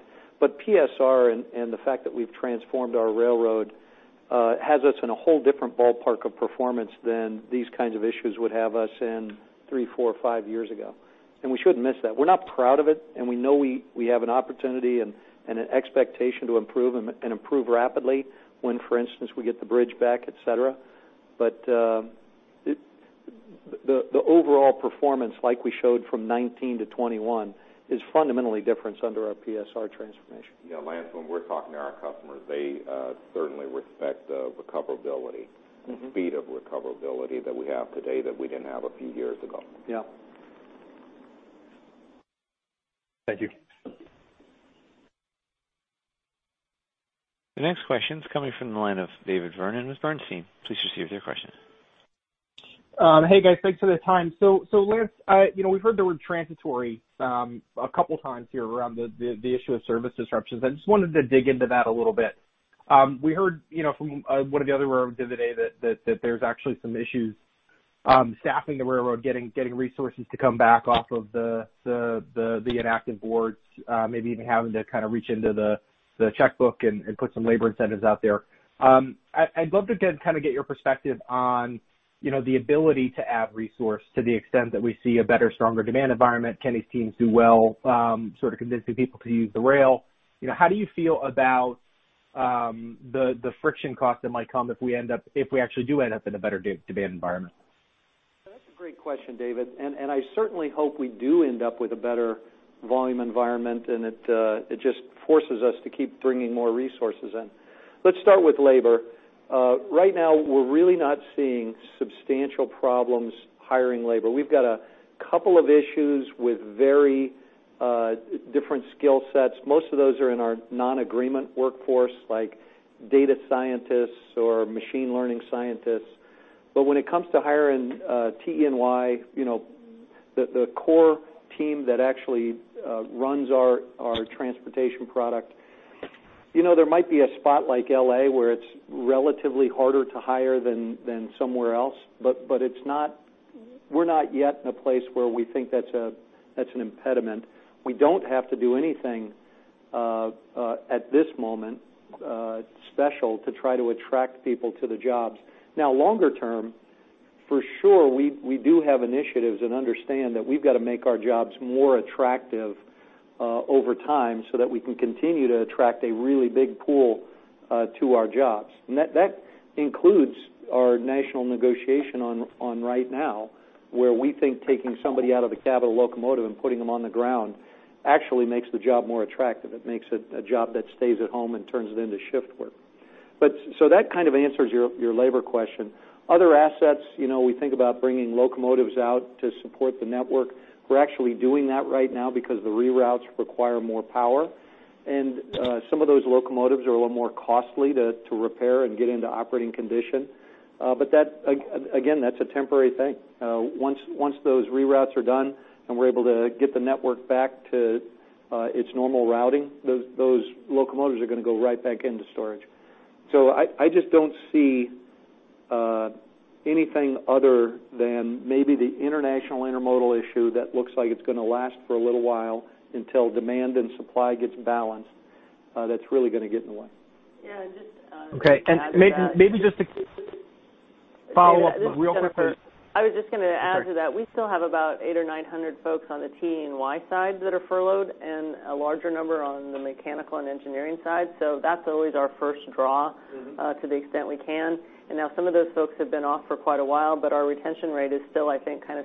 PSR and the fact that we've transformed our railroad, has us in a whole different ballpark of performance than these kinds of issues would have us in three, four, five years ago. We shouldn't miss that. We're not proud of it, and we know we have an opportunity and an expectation to improve and improve rapidly when, for instance, we get the bridge back, et cetera. The overall performance, like we showed from 2019-2021, is fundamentally different under our PSR transformation. Yeah, Lance, when we're talking to our customers, they certainly respect the recoverability. speed of recoverability that we have today that we didn't have a few years ago. Yeah. Thank you. The next question is coming from the line of David Vernon with Bernstein. Please proceed with your question. Hey, guys. Thanks for the time. Lance, we've heard the word transitory a couple times here around the issue of service disruptions. I just wanted to dig into that a little bit. We heard from one of the other railroads the other day that there's actually some issues staffing the railroad, getting resources to come back off of the inactive boards, maybe even having to reach into the checkbook and put some labor incentives out there. I'd love to, again, get your perspective on the ability to add resource to the extent that we see a better, stronger demand environment, Kenny's teams do well convincing people to use the rail. How do you feel about the friction cost that might come if we actually do end up in a better demand environment? That's a great question, David, and I certainly hope we do end up with a better volume environment, and it just forces us to keep bringing more resources in. Let's start with labor. Right now, we're really not seeing substantial problems hiring labor. We've got a couple of issues with very different skill sets. Most of those are in our non-agreement workforce, like data scientists or machine learning scientists. But when it comes to hiring T&E, the core team that actually runs our transportation product, there might be a spot like L.A. where it's relatively harder to hire than somewhere else, but we're not yet in a place where we think that's an impediment. We don't have to do anything at this moment special to try to attract people to the jobs. Now, longer term, for sure, we do have initiatives and understand that we've got to make our jobs more attractive over time so that we can continue to attract a really big pool to our jobs. That includes our national negotiation on right now, where we think taking somebody out of the cab of a locomotive and putting them on the ground actually makes the job more attractive. It makes it a job that stays at home and turns it into shift work. That kind of answers your labor question. Other assets, we think about bringing locomotives out to support the network. We're actually doing that right now because the reroutes require more power, and some of those locomotives are a little more costly to repair and get into operating condition. Again, that's a temporary thing. Once those reroutes are done and we're able to get the network back to its normal routing, those locomotives are going to go right back into storage. I just don't see anything other than maybe the international intermodal issue that looks like it's going to last for a little while until demand and supply gets balanced that's really going to get in the way. Yeah, and just to add to that- Okay, maybe just to follow up real quick. I was just going to add to that. Okay. We still have about 800 or 900 folks on the T&E side that are furloughed and a larger number on the mechanical and engineering side. that's always our first draw- to the extent we can. Now some of those folks have been off for quite a while, our retention rate is still, I think, 70%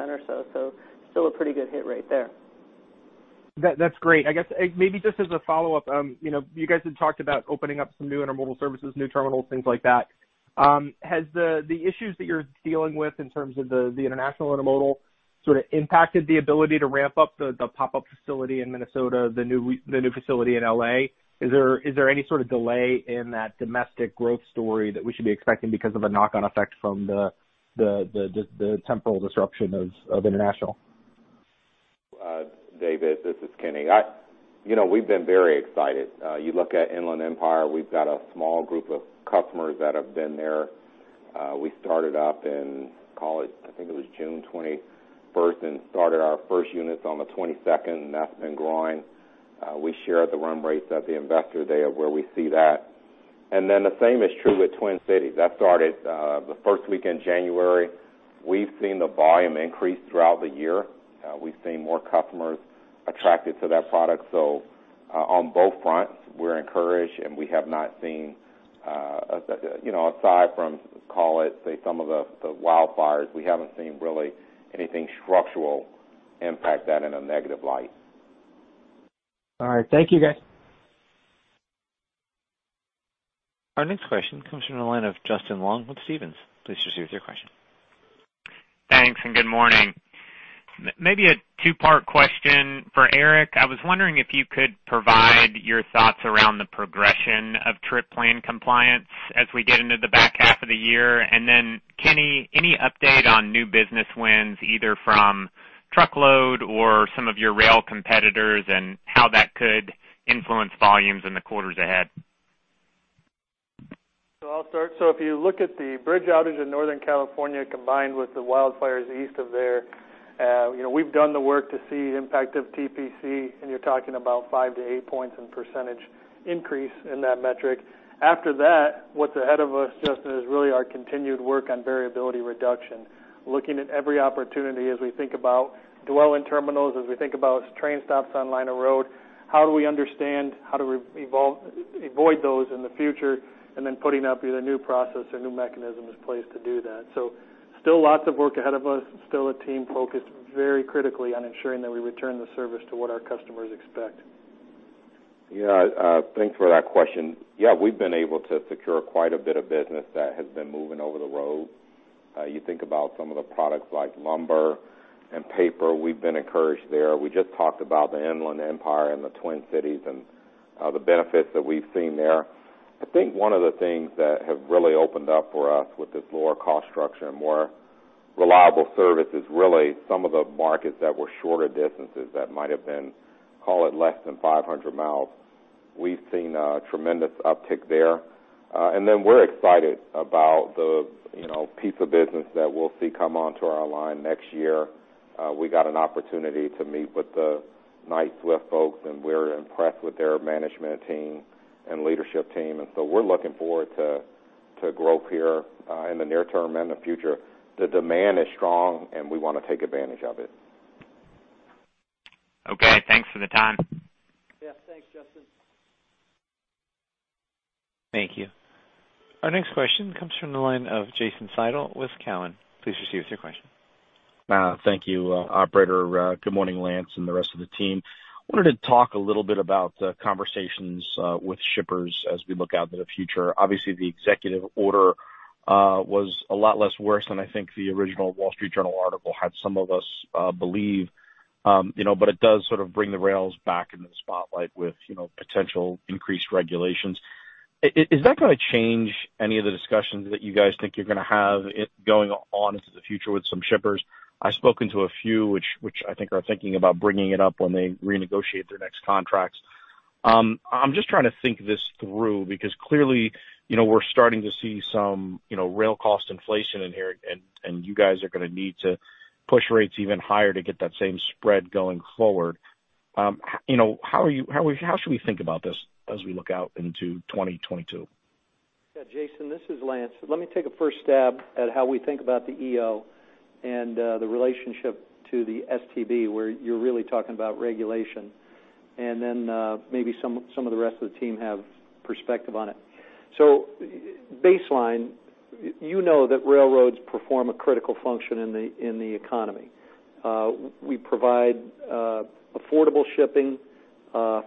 or so. Still a pretty good hit rate there. That's great. I guess, maybe just as a follow-up, you guys had talked about opening up some new intermodal services, new terminals, things like that. Has the issues that you're dealing with in terms of the international intermodal sort of impacted the ability to ramp up the pop-up facility in Minnesota, the new facility in L.A.? Is there any sort of delay in that domestic growth story that we should be expecting because of a knock-on effect from the temporal disruption of international? David, this is Kenny. We've been very excited. You look at Inland Empire, we've got a small group of customers that have been there. We started up in, call it, I think it was June 21st and started our first units on the 22nd, and that's been growing. We share the run rates at the Investor Day of where we see that. The same is true with Twin Cities. That started the first week in January. We've seen the volume increase throughout the year. We've seen more customers attracted to that product. On both fronts, we're encouraged, and we have not seen, aside from, call it, say, some of the wildfires, we haven't seen really anything structural impact that in a negative light. All right. Thank you, guys. Our next question comes from the line of Justin Long with Stephens. Please proceed with your question. Thanks, and good morning. Maybe a two-part question for Eric. I was wondering if you could provide your thoughts around the progression of trip plan compliance as we get into the back half of the year. Kenny, any update on new business wins, either from truckload or some of your rail competitors and how that could influence volumes in the quarters ahead? I'll start. If you look at the bridge outage in Northern California combined with the wildfires east of there, we've done the work to see the impact of TPC, and you're talking about five to eight points in percentage increase in that metric. After that, what's ahead of us, Justin, is really our continued work on variability reduction, looking at every opportunity as we think about dwell in terminals, as we think about train stops on line of road, how do we understand how to avoid those in the future, and then putting up either new process or new mechanisms in place to do that. Still lots of work ahead of us, still a team focused very critically on ensuring that we return the service to what our customers expect. Thanks for that question. We've been able to secure quite a bit of business that has been moving over the road. You think about some of the products like lumber and paper, we've been encouraged there. We just talked about the Inland Empire and the Twin Cities and the benefits that we've seen there. I think one of the things that have really opened up for us with this lower cost structure and more reliable service is really some of the markets that were shorter distances that might have been, call it less than 500 mi. We've seen a tremendous uptick there. We're excited about the piece of business that we'll see come onto our line next year. We got an opportunity to meet with the Knight-Swift folks, we're impressed with their management team and leadership team, we're looking forward to growth here in the near term and the future. The demand is strong, we want to take advantage of it. Okay, thanks for the time. Yeah, thanks, Justin. Thank you. Our next question comes from the line of Jason Seidl with Cowen. Please proceed with your question. Thank you, operator. Good morning, Lance and the rest of the team. I wanted to talk a little bit about the conversations with shippers as we look out to the future. Obviously, the executive order was a lot less worse than I think the original Wall Street Journal article had some of us believe. It does sort of bring the rails back into the spotlight with potential increased regulations. Is that going to change any of the discussions that you guys think you're going to have going on into the future with some shippers? I've spoken to a few, which I think are thinking about bringing it up when they renegotiate their next contracts. I'm just trying to think this through because clearly, we're starting to see some rail cost inflation in here, and you guys are going to need to push rates even higher to get that same spread going forward. How should we think about this as we look out into 2022? Yeah, Jason, this is Lance. Let me take a first stab at how we think about the EO and the relationship to the STB, where you're really talking about regulation, and then maybe some of the rest of the team have perspective on it. Baseline, you know that railroads perform a critical function in the economy. We provide affordable shipping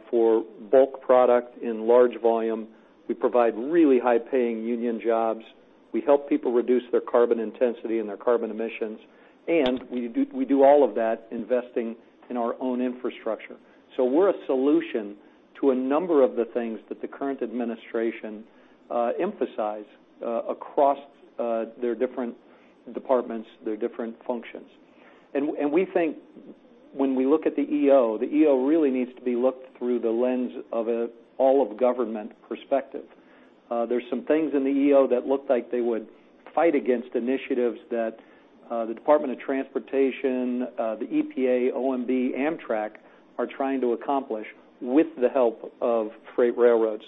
for bulk product in large volume. We provide really high-paying union jobs. We help people reduce their carbon intensity and their carbon emissions, We do all of that investing in our own infrastructure. We're a solution to a number of the things that the current administration emphasize across their different departments, their different functions. We think when we look at the EO, the EO really needs to be looked through the lens of an all-of-government perspective. There's some things in the EO that looked like they would fight against initiatives that the Department of Transportation, the EPA, OMB, Amtrak are trying to accomplish with the help of freight railroads.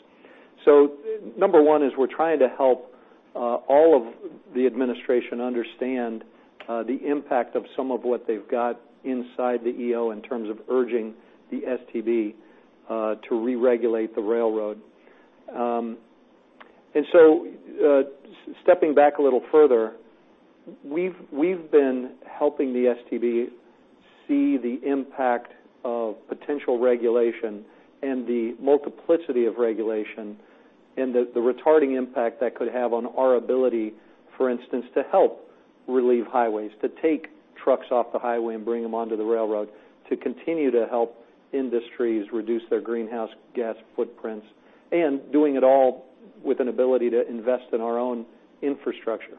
Number 1 is we're trying to help all of the administration understand the impact of some of what they've got inside the EO in terms of urging the STB to re-regulate the railroad. Stepping back a little further, we've been helping the STB see the impact of potential regulation and the multiplicity of regulation and the retarding impact that could have on our ability, for instance, to help relieve highways, to take trucks off the highway and bring them onto the railroad, to continue to help industries reduce their greenhouse gas footprints, and doing it all with an ability to invest in our own infrastructure.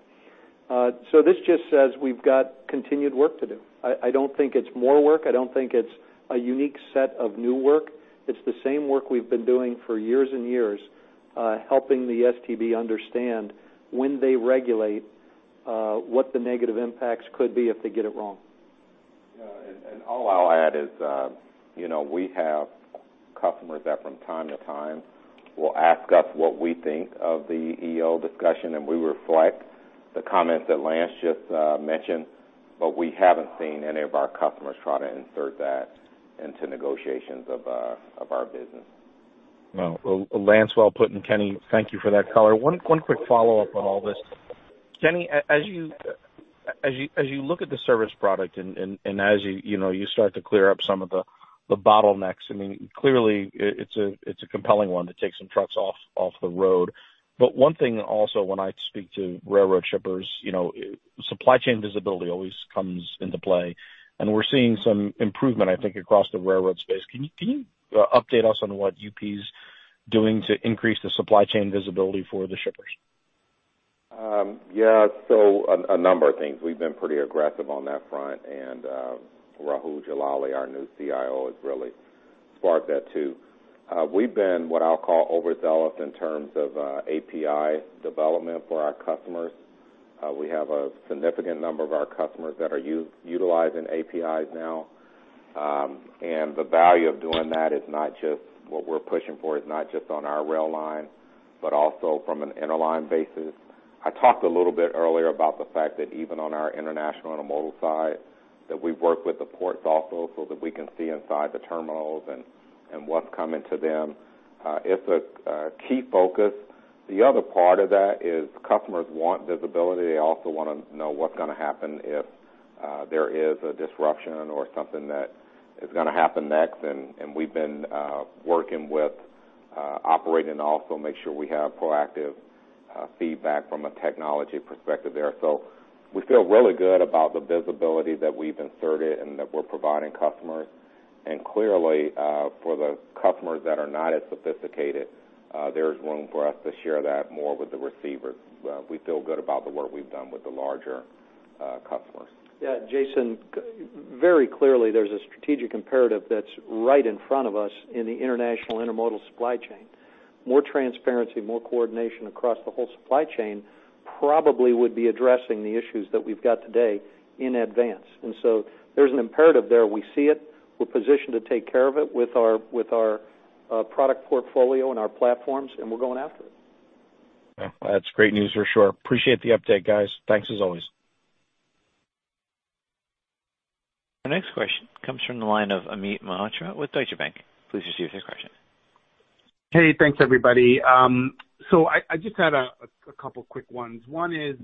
This just says we've got continued work to do. I don't think it's more work. I don't think it's a unique set of new work. It's the same work we've been doing for years and years, helping the STB understand when they regulate, what the negative impacts could be if they get it wrong. Yeah, and all I'll add is, we have customers that from time to time will ask us what we think of the EO discussion, and we reflect the comments that Lance just mentioned, but we haven't seen any of our customers try to insert that into negotiations of our business. Well, Lance, well put, and Kenny, thank you for that color. One quick follow-up on all this. Kenny, as you look at the service product, and as you start to clear up some of the bottlenecks, clearly, it's a compelling one to take some trucks off the road. One thing also, when I speak to railroad shippers, supply chain visibility always comes into play, and we're seeing some improvement, I think, across the railroad space. Can you update us on what UP's doing to increase the supply chain visibility for the shippers? Yeah. A number of things. We've been pretty aggressive on that front. Rahul Jalali, our new CIO, has really sparked that, too. We've been, what I'll call, overdeveloped in terms of API development for our customers. We have a significant number of our customers that are utilizing APIs now. The value of doing that is not just what we're pushing for, it's not just on our rail line, but also from an interline basis. I talked a little bit earlier about the fact that even on our international intermodal side, that we work with the ports also so that we can see inside the terminals and what's coming to them. It's a key focus. The other part of that is customers want visibility. They also want to know what's going to happen if there is a disruption or something that is going to happen next. We've been working with Operations to also make sure we have proactive feedback from a technology perspective there. We feel really good about the visibility that we've inserted and that we're providing customers. Clearly, for the customers that are not as sophisticated, there's room for us to share that more with the receivers. We feel good about the work we've done with the larger customers. Yeah, Jason, very clearly, there is a strategic imperative that is right in front of us in the international intermodal supply chain. More transparency, more coordination across the whole supply chain probably would be addressing the issues that we have got today in advance. There is an imperative there. We see it. We are positioned to take care of it with our product portfolio and our platforms, and we are going after it. Well, that's great news for sure. Appreciate the update, guys. Thanks as always. Our next question comes from the line of Amit Mehrotra with Deutsche Bank. Please proceed with your question. Hey, thanks, everybody. I just had a couple quick ones. One is,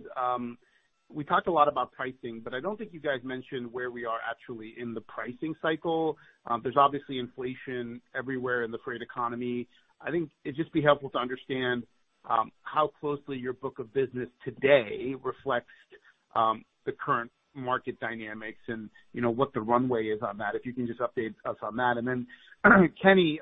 we talked a lot about pricing, but I don't think you guys mentioned where we are actually in the pricing cycle. There's obviously inflation everywhere in the freight economy. I think it'd just be helpful to understand how closely your book of business today reflects the current market dynamics and what the runway is on that, if you can just update us on that. Kenny,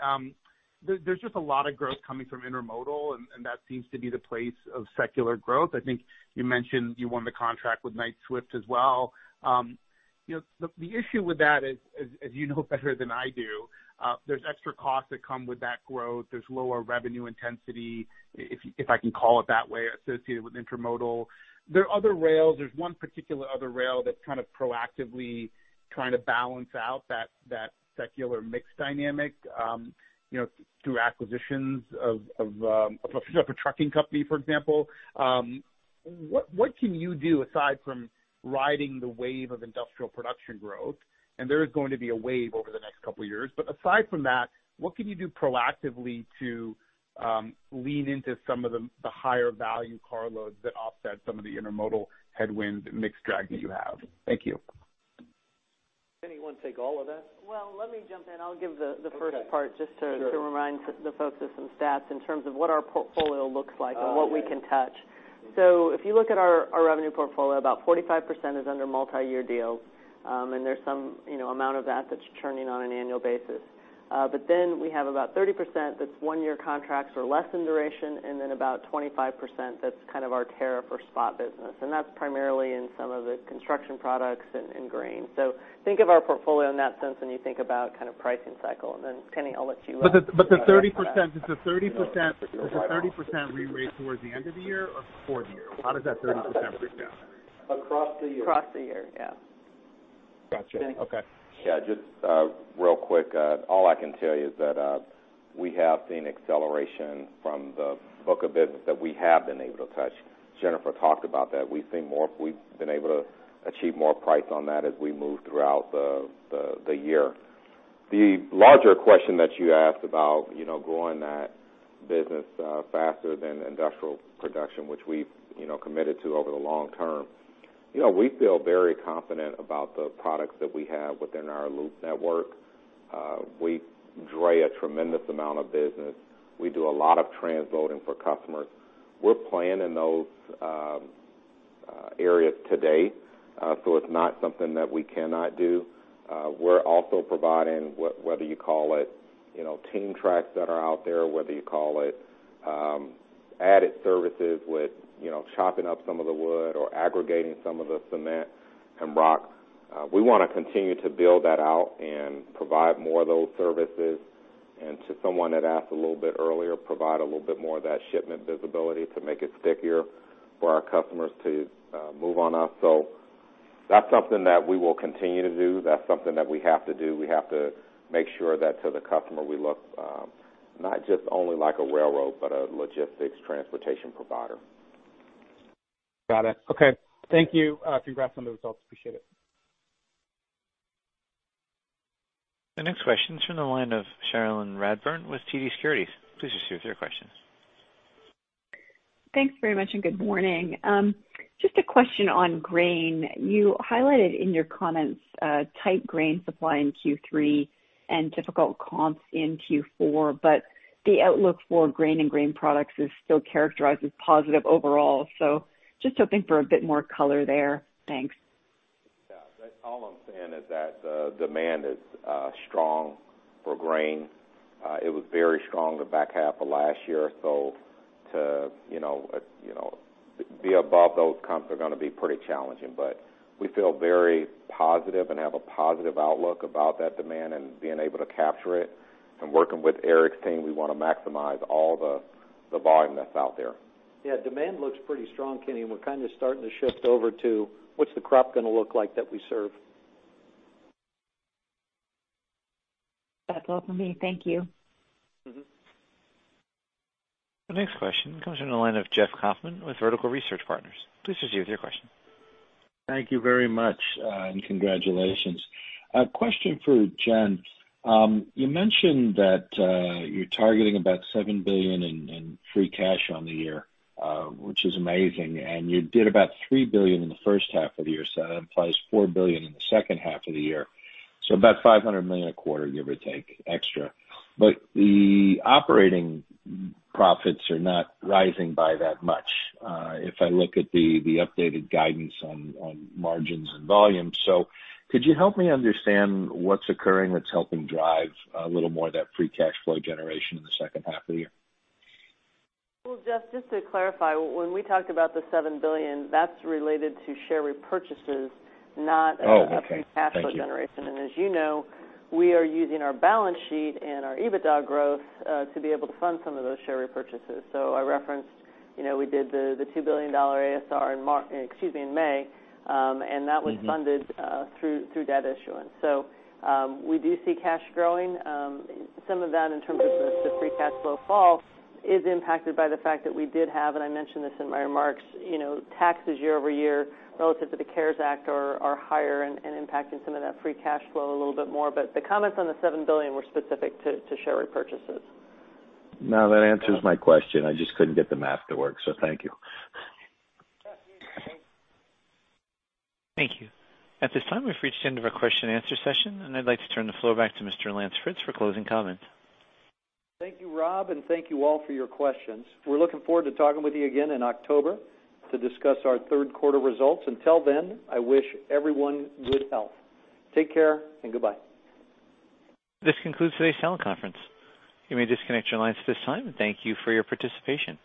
there's just a lot of growth coming from intermodal, and that seems to be the place of secular growth. I think you mentioned you won the contract with Knight-Swift as well. The issue with that is, as you know better than I do, there's extra costs that come with that growth. There's lower revenue intensity, if I can call it that way, associated with intermodal. There are other rails. There's one particular other rail that's kind of proactively trying to balance out that secular mix dynamic through acquisitions of a trucking company, for example. What can you do aside from riding the wave of industrial production growth? There is going to be a wave over the next couple of years. Aside from that, what can you do proactively to lean into some of the higher value carloads that offset some of the intermodal headwind mix drag that you have? Thank you. Kenny, you want to take all of that? Let me jump in. I'll give the first part just to remind the folks of some stats in terms of what our portfolio looks like and what we can touch. If you look at our revenue portfolio, about 45% is under multi-year deals, and there's some amount of that that's churning on an annual basis. We have about 30% that's one-year contracts or less in duration, and then about 25% that's kind of our tariff or spot business, and that's primarily in some of the construction products and grain. Think of our portfolio in that sense when you think about pricing cycle. Kenny, I'll let you. The 30%, does the 30% re-rate towards the end of the year or before the year? How does that 30% break down? Across the year. Across the year. Yeah. Got you. Okay. Yeah, just real quick, all I can tell you is that we have seen acceleration from the book of business that we have been able to touch. Jennnnifer talked about that. We've been able to achieve more price on that as we move throughout the year. The larger question that you asked about growing that business faster than industrial production, which we've committed to over the long term. We feel very confident about the products that we have within our Loop network. We draw a tremendous amount of business. We do a lot of transloading for customers. We're playing in those areas today, so it's not something that we cannot do. We're also providing, whether you call it team tracks that are out there, whether you call it added services with chopping up some of the wood or aggregating some of the cement and rocks. We want to continue to build that out and provide more of those services. To someone that asked a little bit earlier, provide a little bit more of that shipment visibility to make it stickier for our customers to move on us. That's something that we will continue to do. That's something that we have to do. We have to make sure that to the customer, we look not just only like a railroad, but a logistics transportation provider. Got it. Okay. Thank you. Congrats on the results. Appreciate it. The next question is from the line of Cherilyn Radbourne with TD Securities. Please proceed with your questions. Thanks very much, good morning. Just a question on grain. You highlighted in your comments tight grain supply in Q3 and difficult comps in Q4, the outlook for grain and grain products is still characterized as positive overall. Just hoping for a bit more color there. Thanks. Yeah. All I'm saying is that the demand is strong for grain. It was very strong the back half of last year. To be above those comps are going to be pretty challenging, but we feel very positive and have a positive outlook about that demand and being able to capture it. Working with Eric's team, we want to maximize all the volume that's out there. Yeah, demand looks pretty strong, Kenny, and we're kind of starting to shift over to what's the crop going to look like that we serve. That's all for me. Thank you. Mm-hmm. The next question comes from the line of Jeff Kauffman with Vertical Research Partners. Please proceed with your question. Thank you very much, and congratulations. A question for Jennnn. You mentioned that you're targeting about $7 billion in free cash on the year, which is amazing. You did about $3 billion in the first half of the year, so that implies $4 billion in the second half of the year. About $500 million a quarter, give or take, extra. The operating profits are not rising by that much, if I look at the updated guidance on margins and volume. Could you help me understand what's occurring that's helping drive a little more of that free cash flow generation in the second half of the year? Well, Jeff, just to clarify, when we talked about the $7 billion, that's related to share repurchases. Oh, okay. Thank you. about the free cash flow generation. As you know, we are using our balance sheet and our EBITDA growth to be able to fund some of those share repurchases. I referenced we did the $2 billion ASR in May, and that was funded through debt issuance. We do see cash growing. Some of that in terms of the free cash flow fall is impacted by the fact that we did have, and I mentioned this in my remarks, taxes year-over-year relative to the CARES Act are higher and impacting some of that free cash flow a little bit more. The comments on the $7 billion were specific to share repurchases. No, that answers my question. I just couldn't get the math to work, so thank you. Thank you. At this time, we've reached the end of our question and answer session, and I'd like to turn the floor back to Mr. Lance Fritz for closing comments. Thank you, Rob, and thank you all for your questions. We're looking forward to talking with you again in October to discuss our third quarter results. Until then, I wish everyone good health. Take care and goodbye. This concludes today's teleconference. You may disconnect your lines at this time, and thank you for your participation.